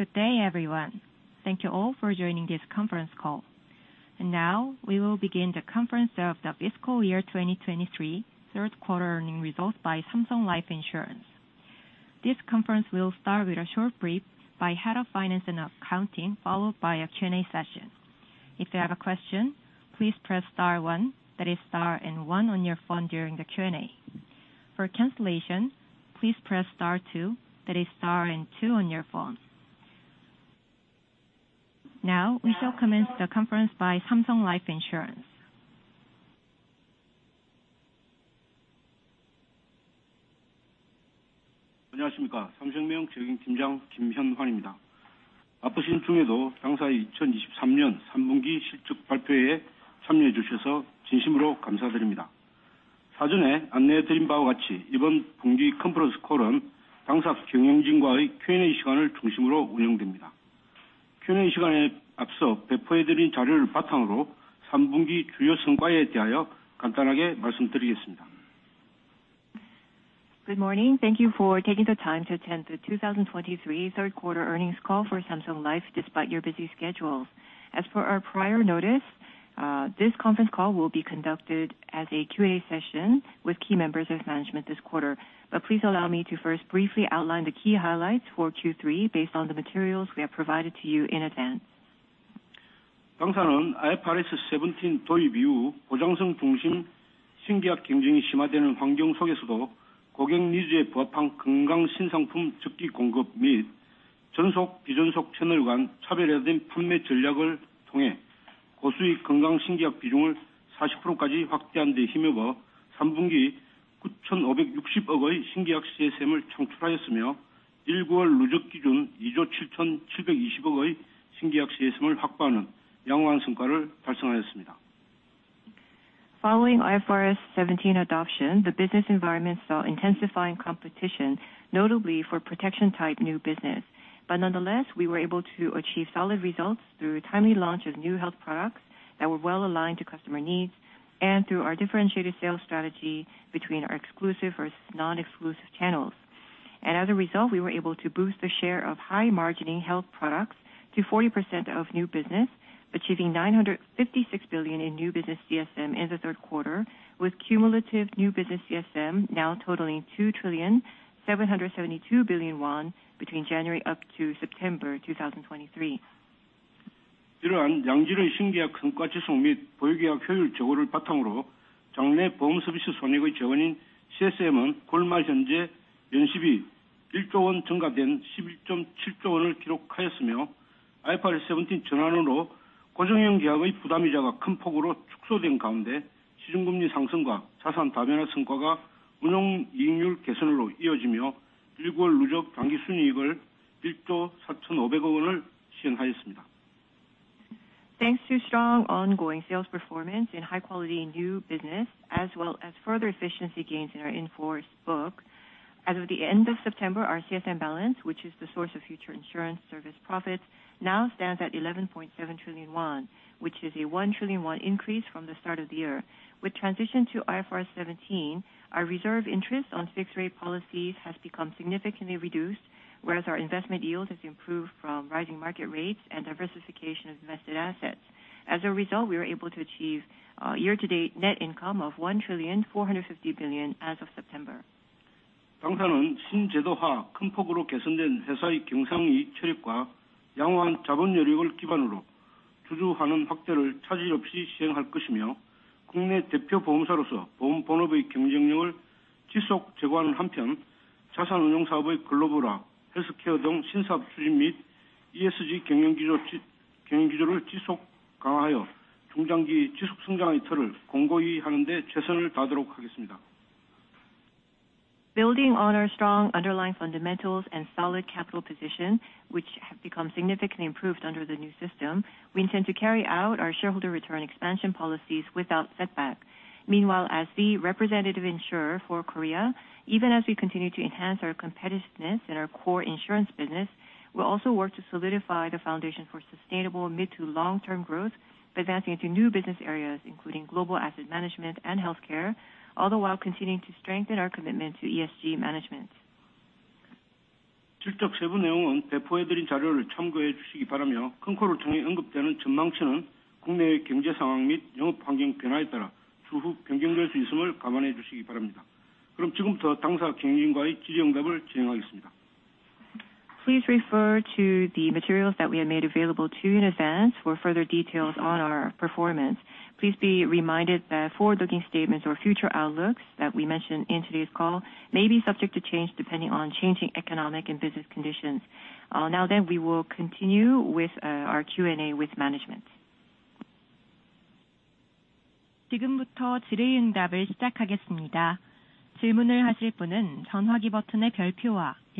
Good day, everyone. Thank you all for joining this conference call. And now, we will begin the Conference of The Fiscal Year 2023, Third Quarter Earnings Results by Samsung Life Insurance. This conference will start with a short brief by Head of Finance and Accounting, followed by a Q&A session. If you have a question, please press star one, that is star and one on your phone during the Q&A. For cancellation, please press star two, that is star and two on your phone. Now, we shall commence the conference by Samsung Life Insurance. Good morning. Thank you for taking the time to attend the 2023 Third Quarter Earnings Call for Samsung Life, despite your busy schedules. As per our prior notice, this conference call will be conducted as a Q&A session with key members of management this quarter. But please allow me to first briefly outline the key highlights for Q3 based on the materials we have provided to you in advance. Following IFRS 17 adoption, the business environment saw intensifying competition, notably for protection type new business. But nonetheless, we were able to achieve solid results through timely launch of new health products that were well aligned to customer needs and through our differentiated sales strategy between our exclusive or non-exclusive channels. As a result, we were able to boost the share of high-margin health products to 40% of new business, achieving 956 billion in new business CSM in the third quarter, with cumulative new business CSM now totaling 2,772,000,000,000 won between January up to September 2023. Thanks to strong ongoing sales performance and high quality new business, as well as further efficiency gains in our in-force book, as of the end of September, our CSM balance, which is the source of future insurance service profits, now stands at KRW 11.7 trillion, which is a KRW 1 trillion increase from the start of the year. With transition to IFRS 17, our reserve interest on fixed rate policies has become significantly reduced, whereas our investment yield has improved from rising market rates and diversification of invested assets. As a result, we were able to achieve year-to-date net income of KRW 1,450,000,000,000 as of September. Building on our strong underlying fundamentals and solid capital position, which have become significantly improved under the new system, we intend to carry out our shareholder return expansion policies without setback. Meanwhile, as the representative insurer for Korea, even as we continue to enhance our competitiveness in our core insurance business, we'll also work to solidify the foundation for sustainable mid to long-term growth by advancing into new business areas, including global asset management and healthcare, all the while continuing to strengthen our commitment to ESG management. Please refer to the materials that we have made available to you in advance for further details on our performance. Please be reminded that forward-looking statements or future outlooks that we mention in today's call may be subject to change, depending on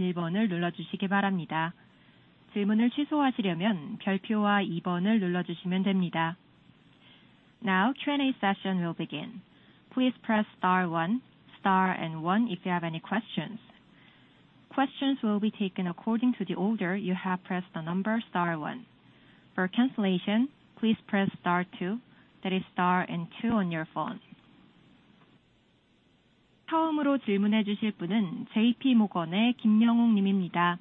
changing economic and business conditions. Now then, we will continue with our Q&A with management. Now, Q&A session will begin. Please press star one, star and one, if you have any questions. Questions will be taken according to the order you have pressed the number star one. For cancellation, please press star two, that is star and two on your phone. ...처음으로 질문해 주실 분은 JP 모건의 김영욱 님입니다.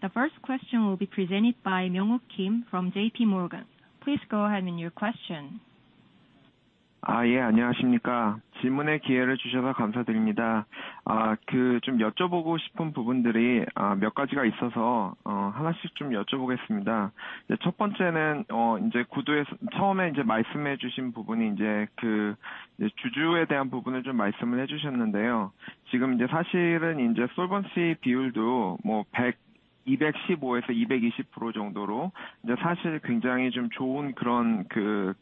The first question will be presented by Young Kim from JPMorgan. Please go ahead with your question. 예, 안녕하십니까? 질문의 기회를 주셔서 감사드립니다. 그좀 여쭤보고 싶은 부분들이, 몇 가지가 있어서, 하나씩 좀 여쭤보겠습니다. 첫 번째는, 이제 구도에서 처음에 이제 말씀해 주신 부분이 이제 그 주주에 대한 부분을 좀 말씀을 해주셨는데요. 지금 이제 사실은 이제 솔번시 비율도 뭐 백, 215%-220% 정도로 이제 사실 굉장히 좀 좋은 그런 그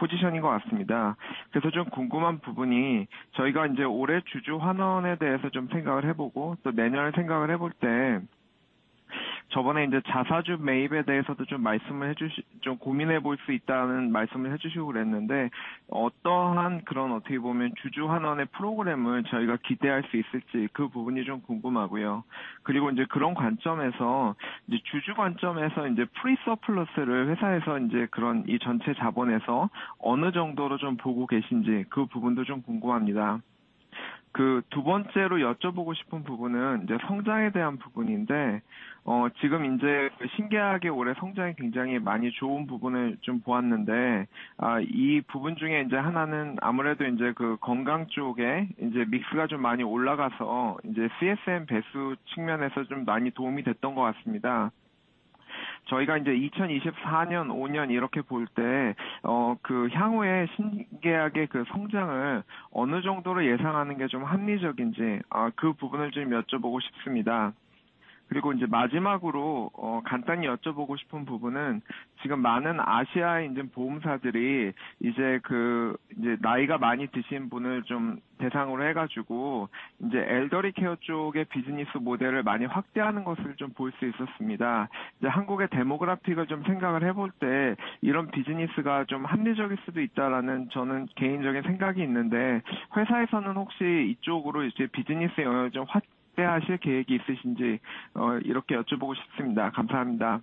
포지션인 것 같습니다. 그래서 좀 궁금한 부분이 저희가 이제 올해 주주 환원에 대해서 좀 생각을 해보고, 또 내년을 생각을 해볼 때 저번에 이제 자사주 매입에 대해서도 좀 말씀을 해주시, 좀 고민해 볼수 있다는 말씀을 해주시고 그랬는데, 어떠한 그런 어떻게 보면 주주 환원의 프로그램을 저희가 기대할 수 있을지 그 부분이 좀 궁금하고요. 그리고 이제 그런 관점에서, 이제 주주 관점에서 이제 프리서플러스를 회사에서 이제 그런 이 전체 자본에서 어느 정도로 좀 보고 계신지, 그 부분도 좀 궁금합니다. 그두 번째로 여쭤보고 싶은 부분은 이제 성장에 대한 부분인데, 지금 이제 신기하게 올해 성장이 굉장히 많이 좋은 부분을 좀 보았는데, 이 부분 중에 이제 하나는 아무래도 이제 그 건강 쪽에 이제 믹스가 좀 많이 올라가서 이제 CSM 배수 측면에서 좀 많이 도움이 됐던 것 같습니다. 저희가 이제 2024년, 5년 이렇게 볼 때, 그 향후에 신기하게 그 성장을 어느 정도로 예상하는 게좀 합리적인지, 그 부분을 좀 여쭤보고 싶습니다. 그리고 이제 마지막으로, 간단히 여쭤보고 싶은 부분은 지금 많은 아시아의 보험사들이 이제 그, 이제 나이가 많이 드신 분을 좀 대상으로 해가지고 이제 엘더리 케어 쪽의 비즈니스 모델을 많이 확대하는 것을 좀볼수 있었습니다. 이제 한국의 데모그래픽을 좀 생각을 해볼 때, 이런 비즈니스가 좀 합리적일 수도 있다라는 저는 개인적인 생각이 있는데, 회사에서는 혹시 이쪽으로 이제 비즈니스의 영역을 좀 확대하실 계획이 있으신지, 이렇게 여쭤보고 싶습니다. 감사합니다.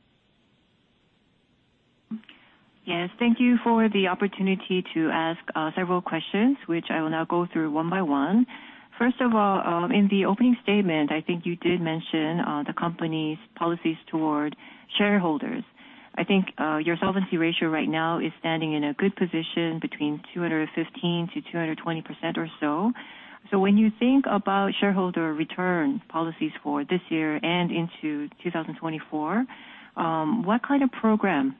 Yes, thank you for the opportunity to ask several questions, which I will now go through one by one. First of all, in the opening statement, I think you did mention the company's policies toward shareholders. I think your solvency ratio right now is standing in a good position between 215%-220% or so. So when you think about shareholder return policies for this year and into 2024, what kind of program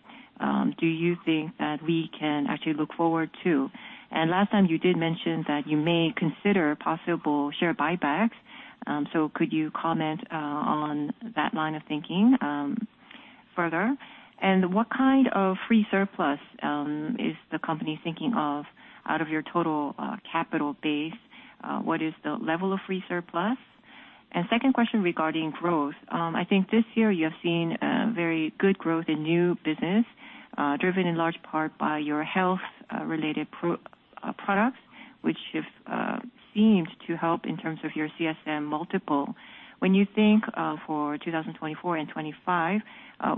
do you think that we can actually look forward to? And last time you did mention that you may consider possible share buybacks. So could you comment on that line of thinking further? And what kind of free surplus is the company thinking of out of your total capital base? What is the level of free surplus? Second question regarding growth. I think this year you have seen a very good growth in new business, driven in large part by your health related products, which have seemed to help in terms of your CSM multiple. When you think for 2024 and 2025,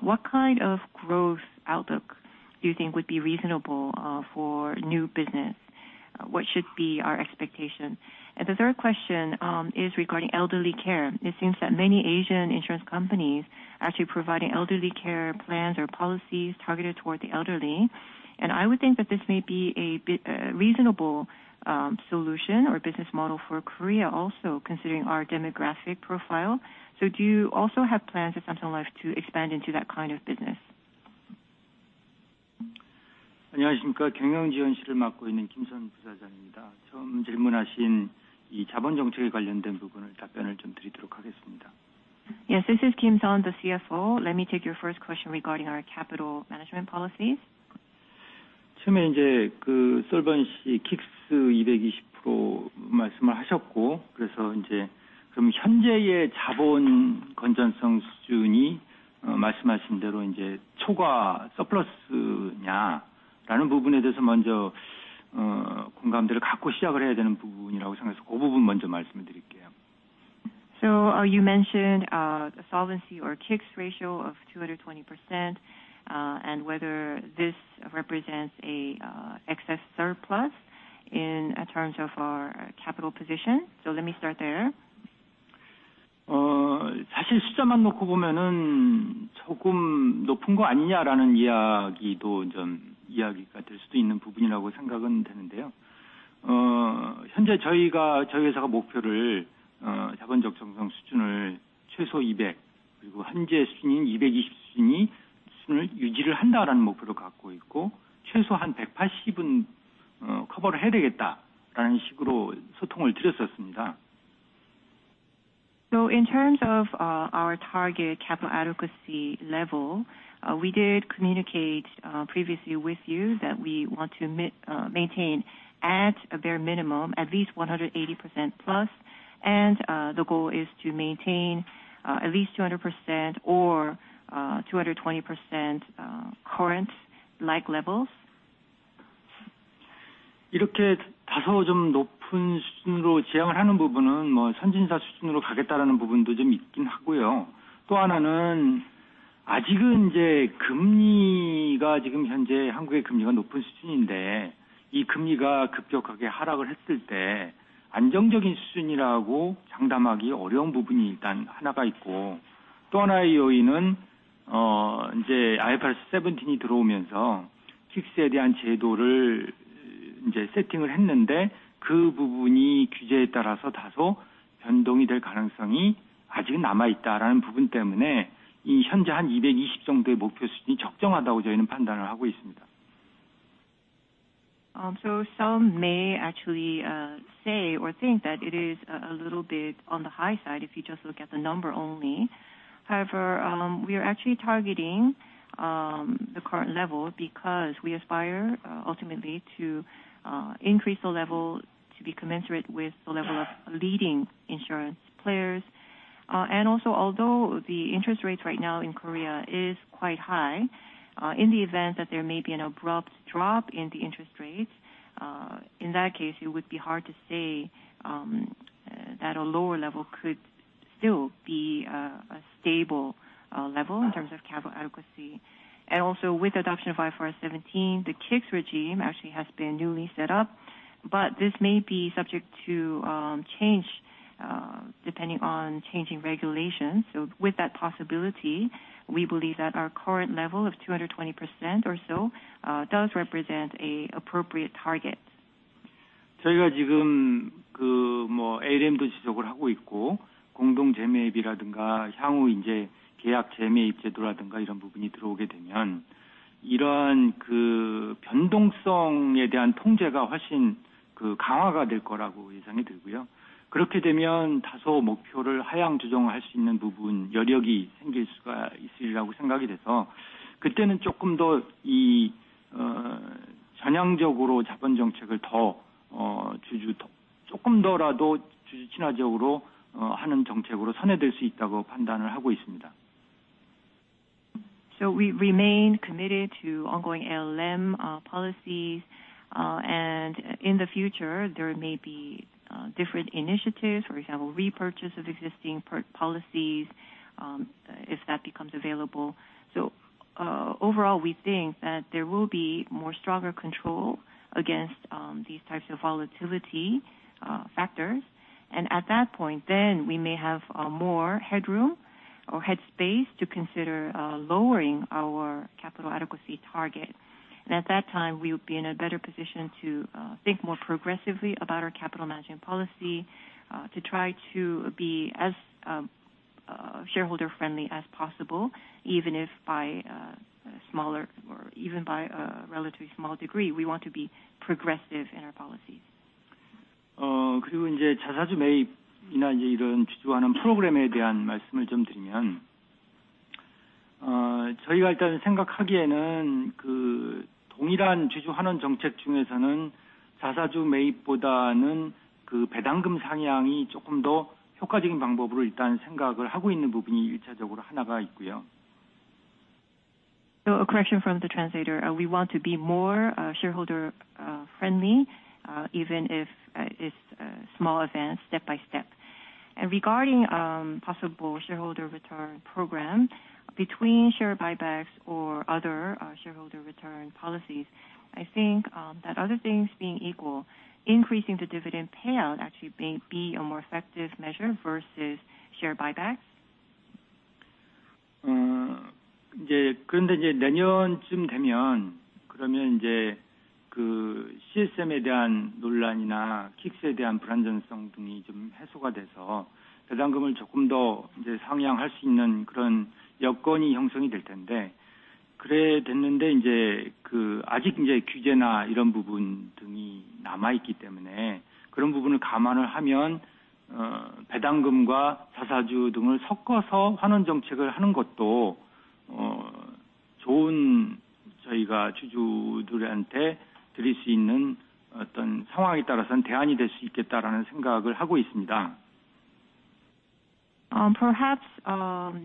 what kind of growth outlook do you think would be reasonable for new business? What should be our expectation? The third question is regarding elderly care. It seems that many Asian insurance companies are actually providing elderly care plans or policies targeted toward the elderly, and I would think that this may be a big reasonable solution or business model for Korea, also, considering our demographic profile. Do you also have plans at Samsung Life to expand into that kind of business? 안녕하십니까? 경영지원실을 맡고 있는 김선 부사장입니다. 처음 질문하신 이 자본 정책에 관련된 부분을 답변을 좀 드리도록 하겠습니다. Yes, this is Kim Sun, the CFO. Let me take your first question regarding our capital management policies. 처음에 이제 그 솔벤시 K-ICS 220% 말씀을 하셨고, 그래서 이제 그럼 현재의 자본 건전성 수준이 말씀하신 대로 이제 초과 서플러스냐라는 부분에 대해서 먼저, 공감대를 갖고 시작을 해야 되는 부분이라고 생각해서 그 부분 먼저 말씀을 드릴게요. So, you mentioned a solvency or K-ICS ratio of 220%, and whether this represents a excess surplus in terms of our capital position. So let me start there. 사실 숫자만 놓고 보면은 조금 높은 거 아니냐라는 이야기도 좀 이야기가 될 수도 있는 부분이라고 생각은 드는데요. 현재 저희가, 저희 회사가 목표를, 자본 적정성 수준을 최소 200, 그리고 현재 수준인 220 수준을 유지한다라는 목표를 갖고 있고, 최소한 180은, 커버를 해야 되겠다라는 식으로 소통을 드렸었습니다. So in terms of our target capital adequacy level, we did communicate previously with you that we want to maintain at a bare minimum, at least 180%+. The goal is to maintain at least 200% or 220%, current like levels. 이렇게 다소 좀 높은 수준으로 지향을 하는 부분은 뭐 선진사 수준으로 가겠다라는 부분도 좀 있긴 하고요. 또 하나는 아직은 이제 금리가 지금 현재 한국의 금리가 높은 수준인데, 이 금리가 급격하게 하락을 했을 때 안정적인 수준이라고 장담하기 어려운 부분이 일단 하나가 있고, 또 하나의 요인은 이제 IFRS 17이 들어오면서 K-ICS에 대한 제도를 이제 세팅을 했는데, 그 부분이 규제에 따라서 다소 변동이 될 가능성이 아직은 남아 있다라는 부분 때문에 이 현재 120 정도의 목표 수준이 적정하다고 저희는 판단을 하고 있습니다. So some may actually say or think that it is a little bit on the high side if you just look at the number only. However, we are actually targeting the current level because we aspire ultimately to increase the level to be commensurate with the level of leading insurance players. Also although the interest rates right now in Korea is quite high, in the event that there may be an abrupt drop in the interest rates, in that case, it would be hard to say that a lower level could still be a stable level in terms of capital adequacy. Also with the adoption of IFRS 17, the K-ICS regime actually has been newly set up, but this may be subject to change depending on changing regulations. With that possibility, we believe that our current level of 220% or so does represent an appropriate target. 저희가 지금 ALM도 지적을 하고 있고, 공동 재매입이라든가 향후 이제 계약 재매입 제도라든가, 이런 부분이 들어오게 되면 이러한 변동성에 대한 통제가 훨씬 강화가 될 거라고 예상이 되고요. 그렇게 되면 다소 목표를 하향 조정할 수 있는 부분, 여력이 생길 수가 있으리라고 생각이 돼서, 그때는 조금 더 전향적으로 자본 정책을 더 주주 친화적으로 하는 정책으로 선회될 수 있다고 판단을 하고 있습니다. So we remain committed to ongoing ALM policies and in the future, there may be different initiatives, for example, repurchase of existing per policies, if that becomes available. So, overall, we think that there will be more stronger control against these types of volatility factors and at that point, then we may have more headroom or head space to consider lowering our capital adequacy target. At that time, we would be in a better position to think more progressively about our capital management policy, to try to be as shareholder friendly as possible, even if by a smaller or even by a relatively small degree, we want to be progressive in our policies. 그리고 이제 자사주 매입이나 이제 이런 주주 환원 프로그램에 대한 말씀을 좀 드리면, 저희가 일단 생각하기에는 그 동일한 주주 환원 정책 중에서는 자사주 매입보다는 그 배당금 상향이 조금 더 효과적인 방법으로 일단 생각을 하고 있는 부분이 일차적으로 하나가 있고요. So a correction from the translator. We want to be more shareholder friendly, even if it's small events, step-by-step. And regarding possible shareholder return program between share buybacks or other shareholder return policies, I think that other things being equal, increasing the dividend payout actually may be a more effective measure versus share buybacks. 이제 그런데 이제 내년쯤 되면, 그러면 이제 그 CSM에 대한 논란이나 K-ICS에 대한 불안정성 등이 좀 해소가 돼서 배당금을 조금 더 이제 상향할 수 있는 그런 여건이 형성이 될 텐데. 그래 됐는데, 이제 그 아직 이제 규제나 이런 부분 등이 남아 있기 때문에 그런 부분을 감안을 하면, 배당금과 자사주 등을 섞어서 환원 정책을 하는 것도, 좋은 저희가 주주들한테 드릴 수 있는 어떤 상황에 따라서는 대안이 될수 있겠다라는 생각을 하고 있습니다. Perhaps,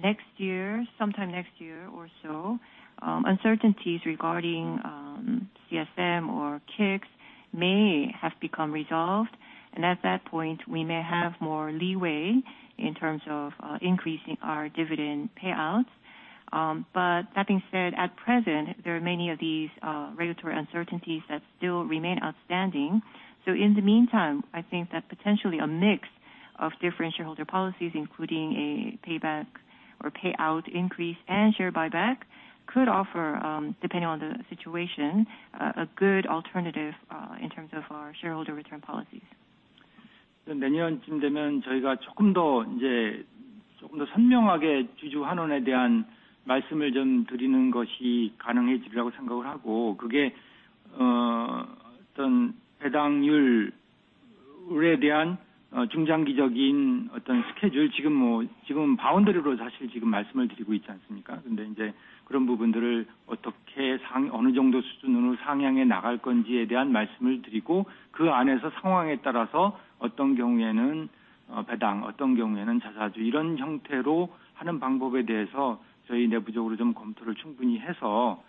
next year, sometime next year or so, uncertainties regarding CSM or K-ICS may have become resolved, and at that point, we may have more leeway in terms of increasing our dividend payouts. But that being said, at present, there are many of these regulatory uncertainties that still remain outstanding. So in the meantime, I think that potentially a mix of different shareholder policies, including a payback or payout increase and share buyback, could offer, depending on the situation, a good alternative in terms of our shareholder return policies. 내년쯤 되면 저희가 조금 더, 이제 조금 더 선명하게 주주 환원에 대한 말씀을 좀 드리는 것이 가능해지리라고 생각을 하고, 그게 어떤 배당률에 대한, 중장기적인 어떤 스케줄, 지금은 바운더리로 사실 지금 말씀을 드리고 있지 않습니까? 그런데 이제 그런 부분들을 어떻게 상향해 나갈 건지에 대한 말씀을 드리고, 그 안에서 상황에 따라서 어떤 경우에는 배당, 어떤 경우에는 자사주, 이런 형태로 하는 방법에 대해서 저희 내부적으로 좀 검토를 충분히 해서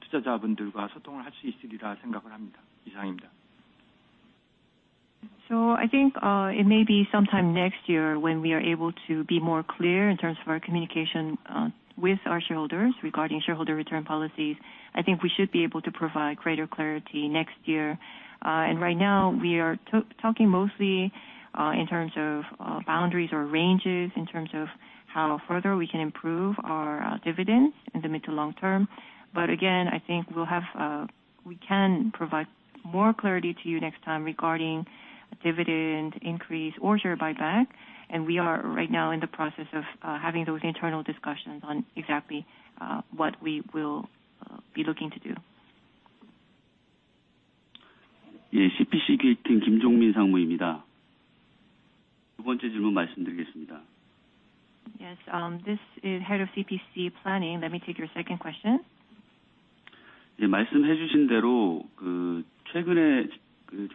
투자자분들과 소통을 할수 있으리라 생각을 합니다. 이상입니다. So I think, it may be sometime next year when we are able to be more clear in terms of our communication, with our shareholders regarding shareholder return policies. I think we should be able to provide greater clarity next year and right now, we are talking mostly, in terms of, boundaries or ranges, in terms of how further we can improve our, dividends in the mid- to long-term. But again, I think we can provide more clarity to you next time regarding dividend increase or share buyback, and we are right now in the process of, having those internal discussions on exactly, what we will, be looking to do. Yes, CPC Planning, Kim Jong-min. Yes, this is Head of CPC Planning. Let me take your second question. So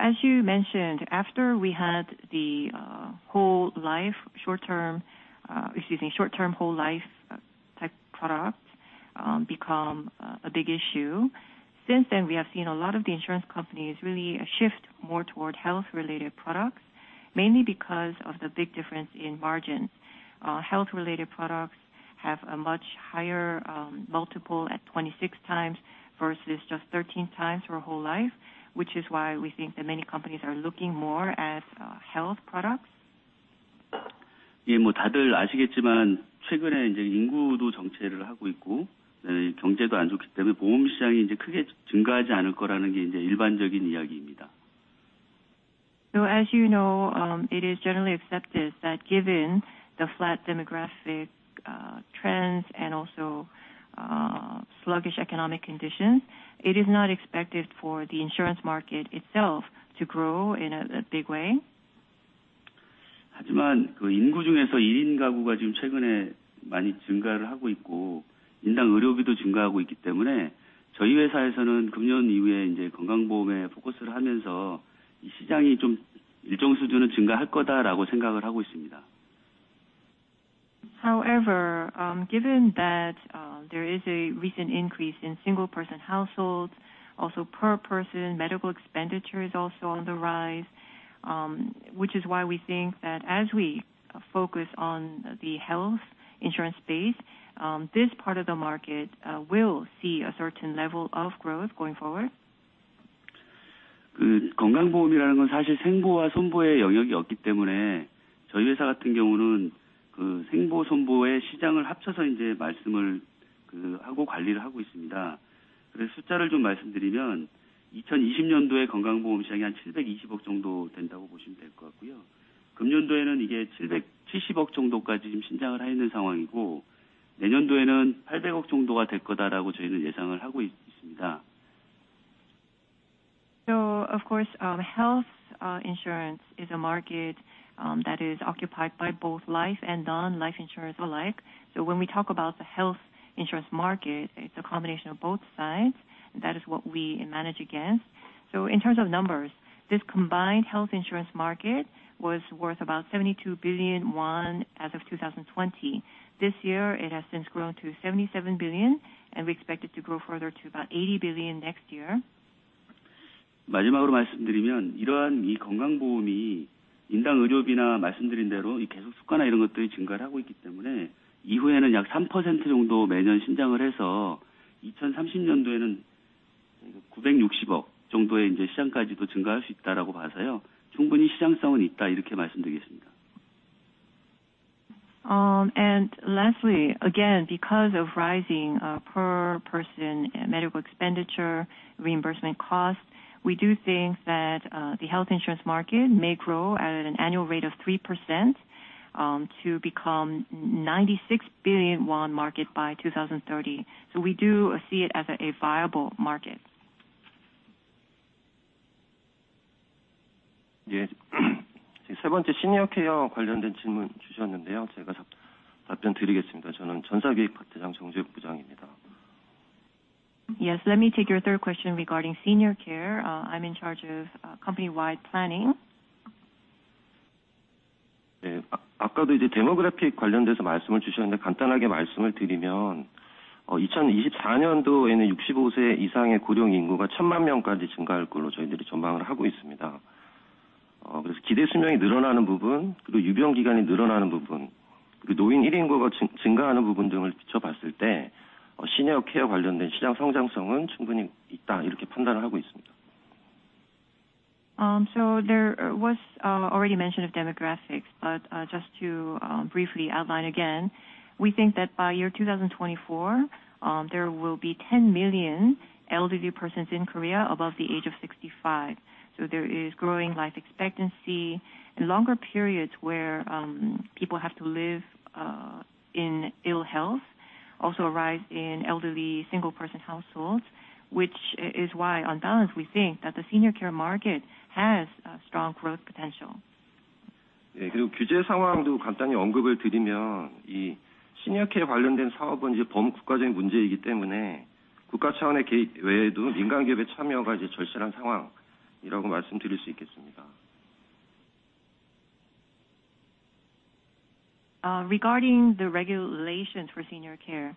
as you mentioned, after we had the short term whole life type product become a big issue. Since then, we have seen a lot of the insurance companies really shift more toward health related products, mainly because of the big difference in margin. Health related products have a much higher multiple at 26x versus just 13x for whole life, which is why we think that many companies are looking more at health products. So as you know, it is generally accepted that given the flat demographic trends and also sluggish economic conditions, it is not expected for the insurance market itself to grow in a big way. However, given that, there is a recent increase in single person households, also per person, medical expenditure is also on the rise, which is why we think that as we focus on the health insurance space, this part of the market, will see a certain level of growth going forward. So of course, health insurance is a market, that is occupied by both life and non-life insurers alike. So when we talk about the health insurance market, it's a combination of both sides, and that is what we manage against. So in terms of numbers, this combined health insurance market was worth about KRW 72 billion as of 2020. This year, it has since grown to KRW 77 billion, and we expect it to grow further to about KRW 80 billion next year. Lastly, again, because of rising per person medical expenditure, reimbursement costs, we do think that the health insurance market may grow at an annual rate of 3% to become a 96 billion won market by 2030. So we do see it as a viable market. Yes. Yes, let me take your third question regarding Senior Care. I'm in charge of company-wide planning. So there was already mention of demographics, but just to briefly outline again, we think that by 2024 there will be 10 million elderly persons in Korea above the age of 65. There is growing life expectancy and longer periods where people have to live in ill health, also a rise in elderly single person households, which is why, on balance, we think that the senior care market has a strong growth potential.... 예, 그리고 규제 상황도 간단히 언급을 드리면, 이 시니어 케어에 관련된 사업은 이제 범국가적인 문제이기 때문에 국가 차원의 개입 외에도 민간 기업의 참여가 이제 절실한 상황이라고 말씀드릴 수 있겠습니다. Regarding the regulations for Senior Care,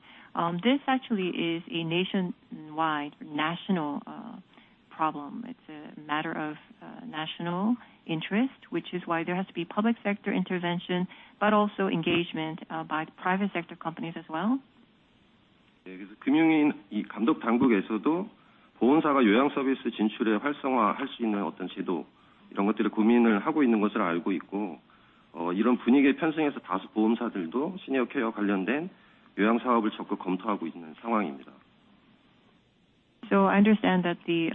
this actually is a nationwide national problem. It's a matter of national interest, which is why there has to be public sector intervention, but also engagement by the private sector companies as well. 예, 그래서 금융위 이 감독 당국에서도 보험사가 요양 서비스 진출에 활성화할 수 있는 어떤 제도, 이런 것들을 고민을 하고 있는 것으로 알고 있고, 이런 분위기에 편승해서 다수 보험사들도 시니어 케어 관련된 요양 사업을 적극 검토하고 있는 상황입니다. So I understand that the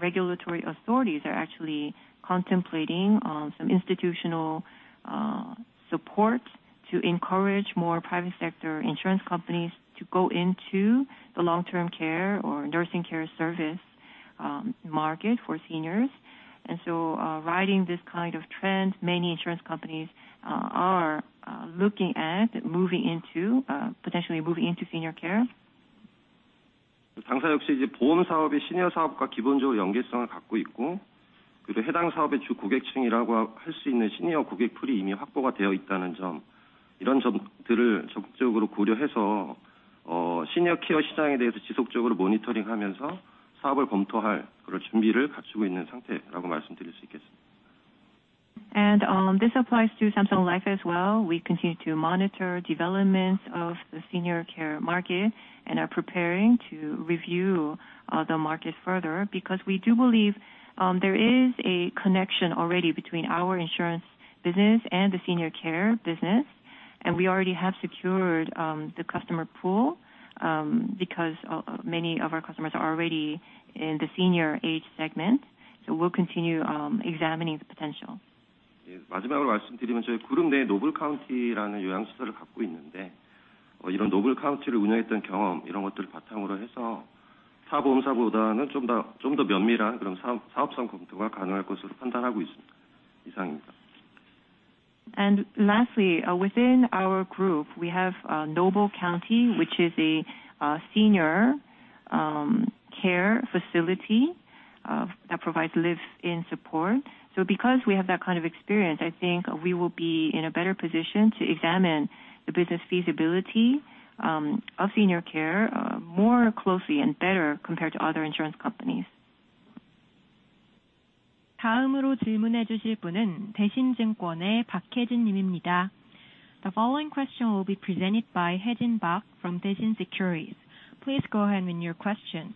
regulatory authorities are actually contemplating some institutional support to encourage more private sector insurance companies to go into the long-term care or nursing care service market for seniors. So, riding this kind of trend, many insurance companies are looking at moving into potentially moving into senior care. 당사 역시 이제 보험 사업의 시니어 사업과 기본적으로 연계성을 갖고 있고, 그리고 해당 사업의 주 고객층이라고 할수 있는 시니어 고객풀이 이미 확보가 되어 있다는 점, 이런 점들을 적극적으로 고려해서, 시니어 케어 시장에 대해서 지속적으로 모니터링하면서 사업을 검토할 그런 준비를 갖추고 있는 상태라고 말씀드릴 수 있겠습니다. This applies to Samsung Life as well. We continue to monitor developments of the senior care market and are preparing to review the market further because we do believe there is a connection already between our Insurance business and the Senior Care business, and we already have secured the customer pool because many of our customers are already in the Senior Care segment. So we'll continue examining the potential. 예, 마지막으로 말씀드리면 저희 그룹 내에 노블카운티라는 요양시설을 갖고 있는데, 이런 노블카운티를 운영했던 경험, 이런 것들을 바탕으로 해서 타 보험사보다는 좀 더, 좀더 면밀한 그런 사업성 검토가 가능할 것으로 판단하고 있습니다. 이상입니다. Lastly, within our group, we have Noble County, which is a senior care facility that provides live-in support. So because we have that kind of experience, I think we will be in a better position to examine the business feasibility of senior care more closely and better compared to other insurance companies. 다음으로 질문해 주실 분은 대신증권의 박혜진 님입니다. The following question will be presented by Hye-jin Park from Daishin Securities. Please go ahead with your question.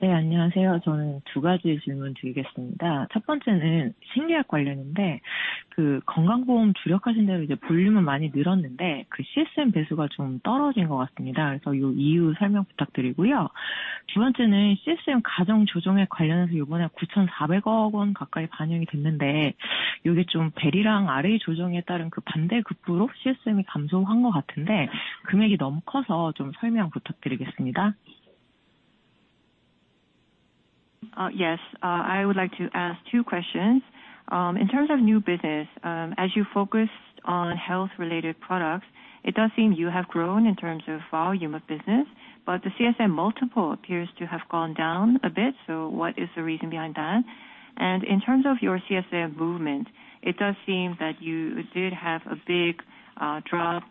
네, 안녕하세요. 저는 두 가지 질문드리겠습니다. 첫 번째는 심리학 관련인데, 그 건강보험 주력하신 대로 이제 볼륨은 많이 늘었는데 그 CSM 배수가 좀 떨어진 것 같습니다. 그래서 이 이유 설명 부탁드리고요. 두 번째는 CSM 가정조정액 관련해서 이번에 9,400억 원 가까이 반영이 됐는데, 이게 좀 VFA랑 RA 조정에 따른 그 반대 급부로 CSM이 감소한 것 같은데, 금액이 너무 커서 좀 설명 부탁드리겠습니다. Yes, I would like to ask two questions. In terms of new business, as you focused on health-related products, it does seem you have grown in terms of volume of business, but the CSM multiple appears to have gone down a bit. So what is the reason behind that? And in terms of your CSM movement, it does seem that you did have a big drop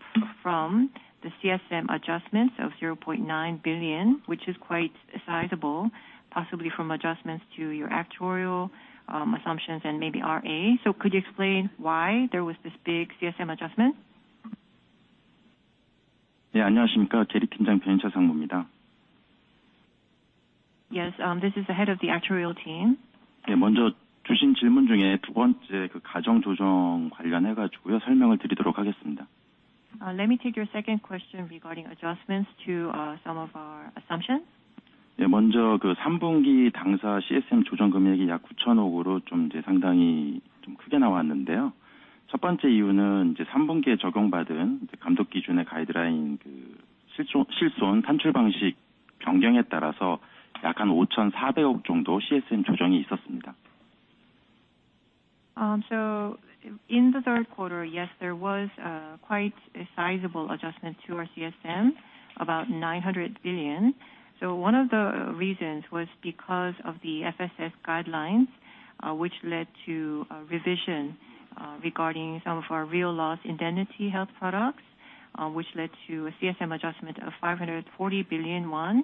from the CSM adjustments of 0.9 billion, which is quite sizable, possibly from adjustments to your actuarial assumptions and maybe RA. So could you explain why there was this big CSM adjustment? 네, 안녕하십니까? 제리 팀장 변희차 상무입니다. Yes, this is the Head of the Actuarial team. 예, 먼저 주신 질문 중에 두 번째, 그 가정 조정 관련해 가지고요. 설명을 드리도록 하겠습니다. Let me take your second question regarding adjustments to some of our assumptions. 네, 먼저 그 3분기 당사 CSM 조정 금액이 약 900 billion으로 좀 이제 상당히 좀 크게 나왔는데요. 첫 번째 이유는 이제 3분기에 적용받은 이제 감독 기준의 가이드라인, 그 실손 산출 방식 변경에 따라서 약 540 billion 정도 CSM 조정이 있었습니다. So in the third quarter, yes, there was quite a sizable adjustment to our CSM, about KRW 900 billion. So one of the reasons was because of the FSS guidelines, which led to a revision regarding some of our real loss indemnity health products, which led to a CSM adjustment of KRW 540 billion.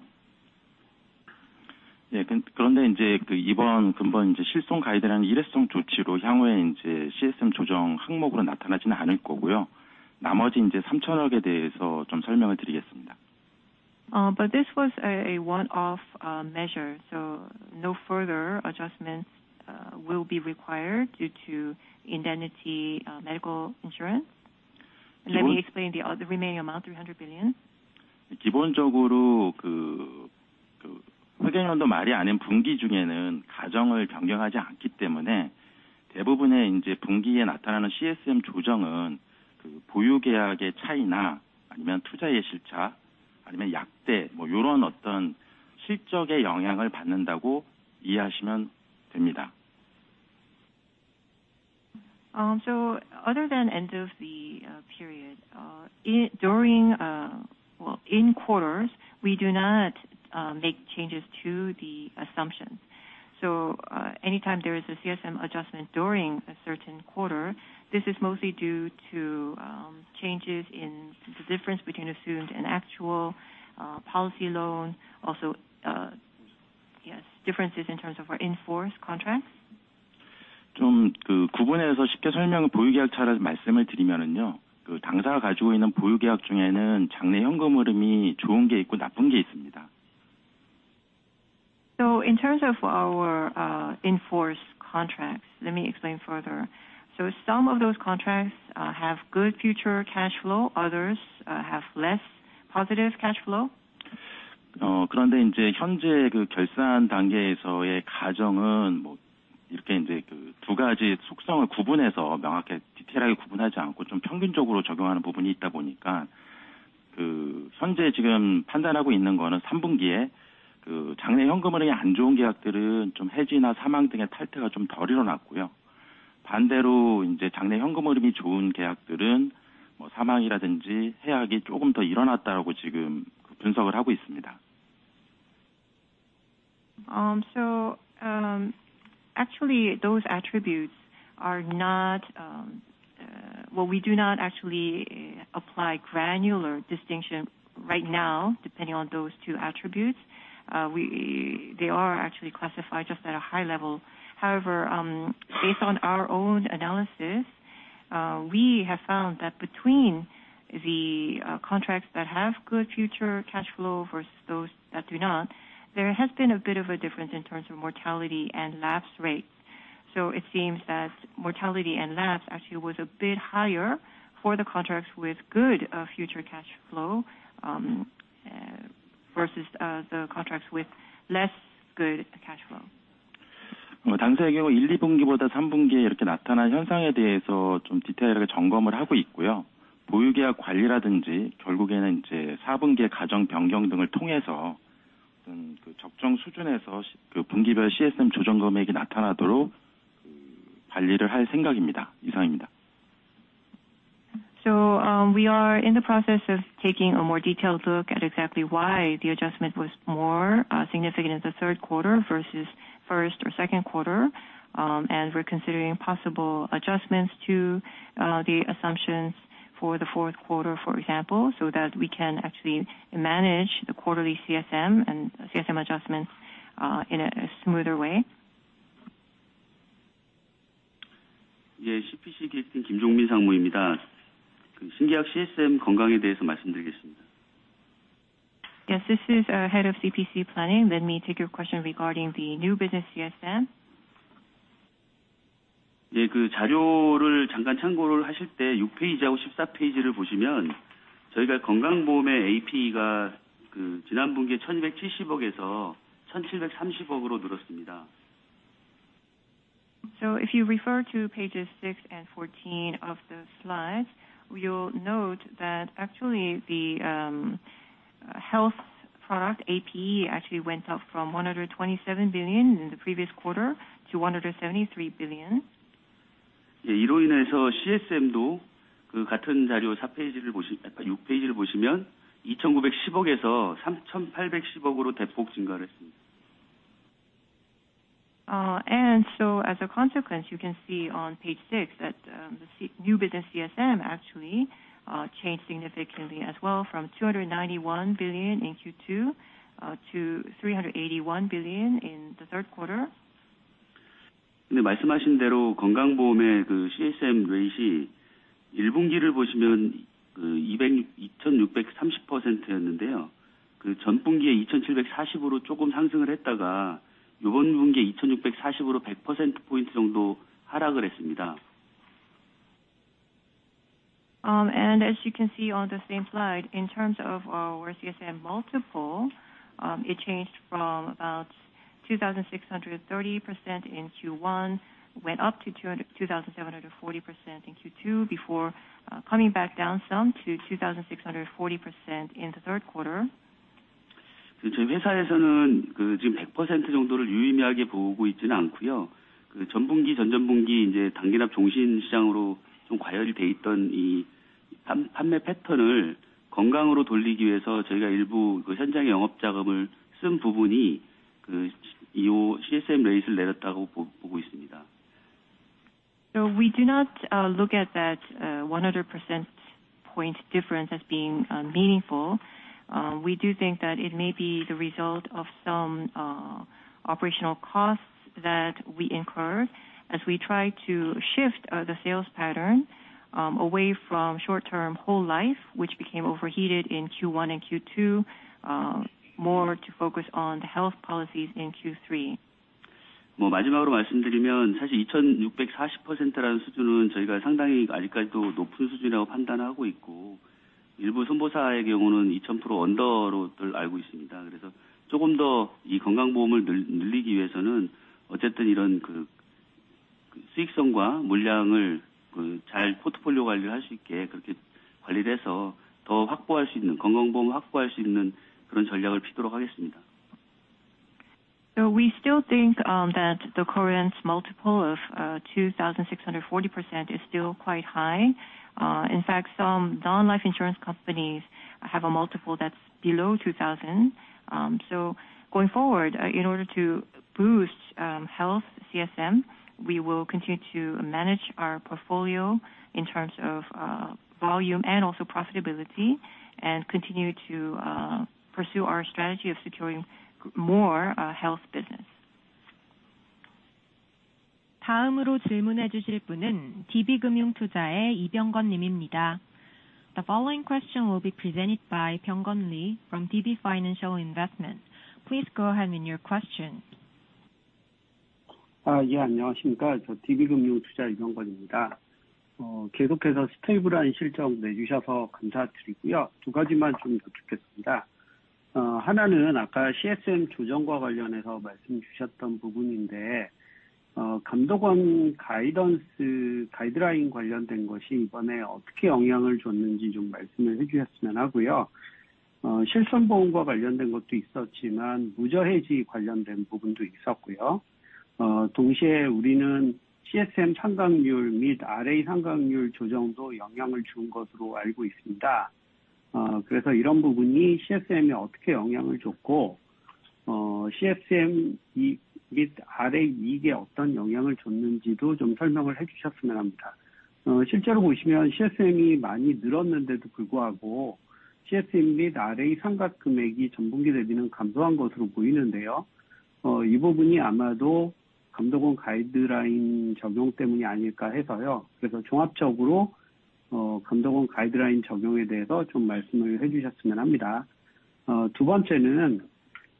예, 그런데 이제 그 이번 근본 이제 실손 가이드라인 일회성 조치로 향후에 이제 CSM 조정 항목으로 나타나지는 않을 거고요. 나머지 이제 KRW 300 billion에 대해서 좀 설명을 드리겠습니다. But this was a one-off measure, so no further adjustments will be required due to indemnity medical insurance. Let me explain the other remaining amount, 300 billion. 기본적으로 회계연도 말이 아닌 분기 중에는 가정을 변경하지 않기 때문에 대부분의 분기에 나타나는 CSM 조정은 보유 계약의 차이나 아니면 투자의 실차, 아니면 약대 뭐 요런 어떤 실적의 영향을 받는다고 이해하시면 됩니다. So other than end of the period in quarters, we do not make changes to the assumptions. So, anytime there is a CSM adjustment during a certain quarter, this is mostly due to changes in the difference between assumed and actual policy loan. Also, yes, differences in terms of our in-force contracts. 좀그 구분해서 쉽게 설명을. 보유 계약 차를 말씀을 드리면요. 그 당사가 가지고 있는 보유 계약 중에는 장래 현금 흐름이 좋은 게 있고, 나쁜 게 있습니다. So in terms of our in-force contracts, let me explain further. So some of those contracts have good future cash flow, others have less positive cash flow. 그런데 이제 현재 그 결산 단계에서의 과정은 뭐 이렇게 이제 그두 가지 속성을 구분해서 명확하게 디테일하게 구분하지 않고, 좀 평균적으로 적용하는 부분이 있다 보니까, 그 현재 지금 판단하고 있는 거는 삼분기에 그 장내 현금 흐름이 안 좋은 계약들은 좀 해지나 사망 등의 탈퇴가 좀덜 일어났고요. 반대로 이제 장내 현금 흐름이 좋은 계약들은 뭐 사망이라든지 해약이 조금 더 일어났다고 지금 분석을 하고 있습니다. So, actually, those attributes are not, well, we do not actually apply granular distinction right now, depending on those two attributes. They are actually classified just at a high level. However, based on our own analysis, we have found that between the contracts that have good future cash flow versus those that do not, there has been a bit of a difference in terms of mortality and lapse rates. So it seems that mortality and lapse actually was a bit higher for the contracts with good future cash flow versus the contracts with less good cash flow. 당사의 경우 1분기보다 3분기에 이렇게 나타난 현상에 대해서 좀 디테일하게 점검을 하고 있고요. 보유 계약 관리라든지, 결국에는 이제 4분기의 가정 변경 등을 통해서 좀그 적정 수준에서 그 분기별 CSM 조정 금액이 나타나도록 관리를 할 생각입니다. 이상입니다. We are in the process of taking a more detailed look at exactly why the adjustment was more significant in the third quarter versus first or second quarter. We're considering possible adjustments to the assumptions for the fourth quarter, for example, so that we can actually manage the quarterly CSM and CSM adjustments in a smoother way. 예, CPC 팀 김종민 상무입니다. 신계약 CSM 건강에 대해서 말씀드리겠습니다. Yes, this is our Head of CPC planning. Let me take your question regarding the new business CSM. 네, 그 자료를 잠깐 참고를 하실 때 6페이지하고 14페이지를 보시면 저희가 건강보험의 APE가 그 지난 분기 KRW 1,270억에서 KRW 1,730억으로 늘었습니다. If you refer to Pages six and 14 of the slides, you'll note that actually the health product, APE, actually went up from 127 billion in the previous quarter to 173 billion. 예, 이로 인해서 CSM도 그 같은 자료 4페이지를 보시, 아까 6페이지를 보시면 KRW 2,910억에서 KRW 3,810억으로 대폭 증가를 했습니다. As a consequence, you can see on Page six that the C... new business CSM actually changed significantly as well, from 291 billion in Q2 to 381 billion in the third quarter. 근데 말씀하신 대로 건강보험의 그 CSM 레이트이 1분기를 보시면, 그 200, 2,630%였는데요. 그 전분기에 2,740으로 조금 상승을 했다가 요번 분기에 2,640으로 100 퍼센트 포인트 정도 하락을 했습니다. And as you can see on the same slide, in terms of our CSM multiple, it changed from about 2,630% in Q1, went up to 2,740% in Q2, before coming back down some to 2,640% in the third quarter. 저희 회사에서는 지금 100% 정도를 유의미하게 보고 있지는 않고요. 전분기, 전전분기 이제 단기납 종신 시장으로 좀 과열이 돼 있던 이 판매 패턴을 건강으로 돌리기 위해서 저희가 일부 현장에 영업자금을 쓴 부분이 이 CSM release를 내렸다고 보고 있습니다. We do not look at that 100 percentage point difference as being meaningful. We do think that it may be the result of some operational costs that we incurred as we try to shift the sales pattern away from short-term whole life, which became overheated in Q1 and Q2, more to focus on the health policies in Q3. 마지막으로 말씀드리면, 사실 2,640%라는 수준은 저희가 상당히 아직까지도 높은 수준이라고 판단하고 있고요. 일부 선보사의 경우는 2,000% 언더로 잘 알고 있습니다. 그래서 조금 더이 건강보험을 늘리기 위해서는 어쨌든 이런 그 수익성과 물량을 그잘 포트폴리오 관리를 할수 있게 그렇게 관리를 해서 더 확보할 수 있는, 건강보험을 확보할 수 있는 그런 전략을 피도록 하겠습니다. We still think that the current multiple of 2,640% is still quite high. In fact, some non-life insurance companies have a multiple that's below 2,000%. Going forward, in order to boost health CSM, we will continue to manage our portfolio in terms of volume and also profitability, and continue to pursue our strategy of securing more health business. 다음으로 질문해 주실 분은 DB금융투자의 이병건 님입니다. The following question will be presented by Byung-gun Lee from DB Financial Investment. Please go ahead with your question. 예, 안녕하십니까? 저 DB금융투자 이병건입니다. 계속해서 스테이블한 실적 내주셔서 감사드리고요. 두 가지만 좀 여쭙겠습니다. 하나는 아까 CSM 조정과 관련해서 말씀 주셨던 부분인데, 감독원 가이던스, 가이드라인 관련된 것이 이번에 어떻게 영향을 줬는지 좀 말씀을 해주셨으면 하고요. 실손보험과 관련된 것도 있었지만, 무저해지 관련된 부분도 있었고요. 동시에 우리는 CSM 상각률 및 RA 상각률 조정도 영향을 준 것으로 알고 있습니다. 그래서 이런 부분이 CSM에 어떻게 영향을 줬고, CSM 및 RA 이익에 어떤 영향을 줬는지도 좀 설명을 해주셨으면 합니다. 실제로 보시면 CSM이 많이 늘었는데도 불구하고 CSM 및 RA 상각 금액이 전분기 대비는 감소한 것으로 보이는데요. 이 부분이 아마도 감독원 가이드라인 적용 때문이 아닐까 해서요. 그래서 종합적으로, 감독원 가이드라인 적용에 대해서 좀 말씀을 해주셨으면 합니다. 두 번째는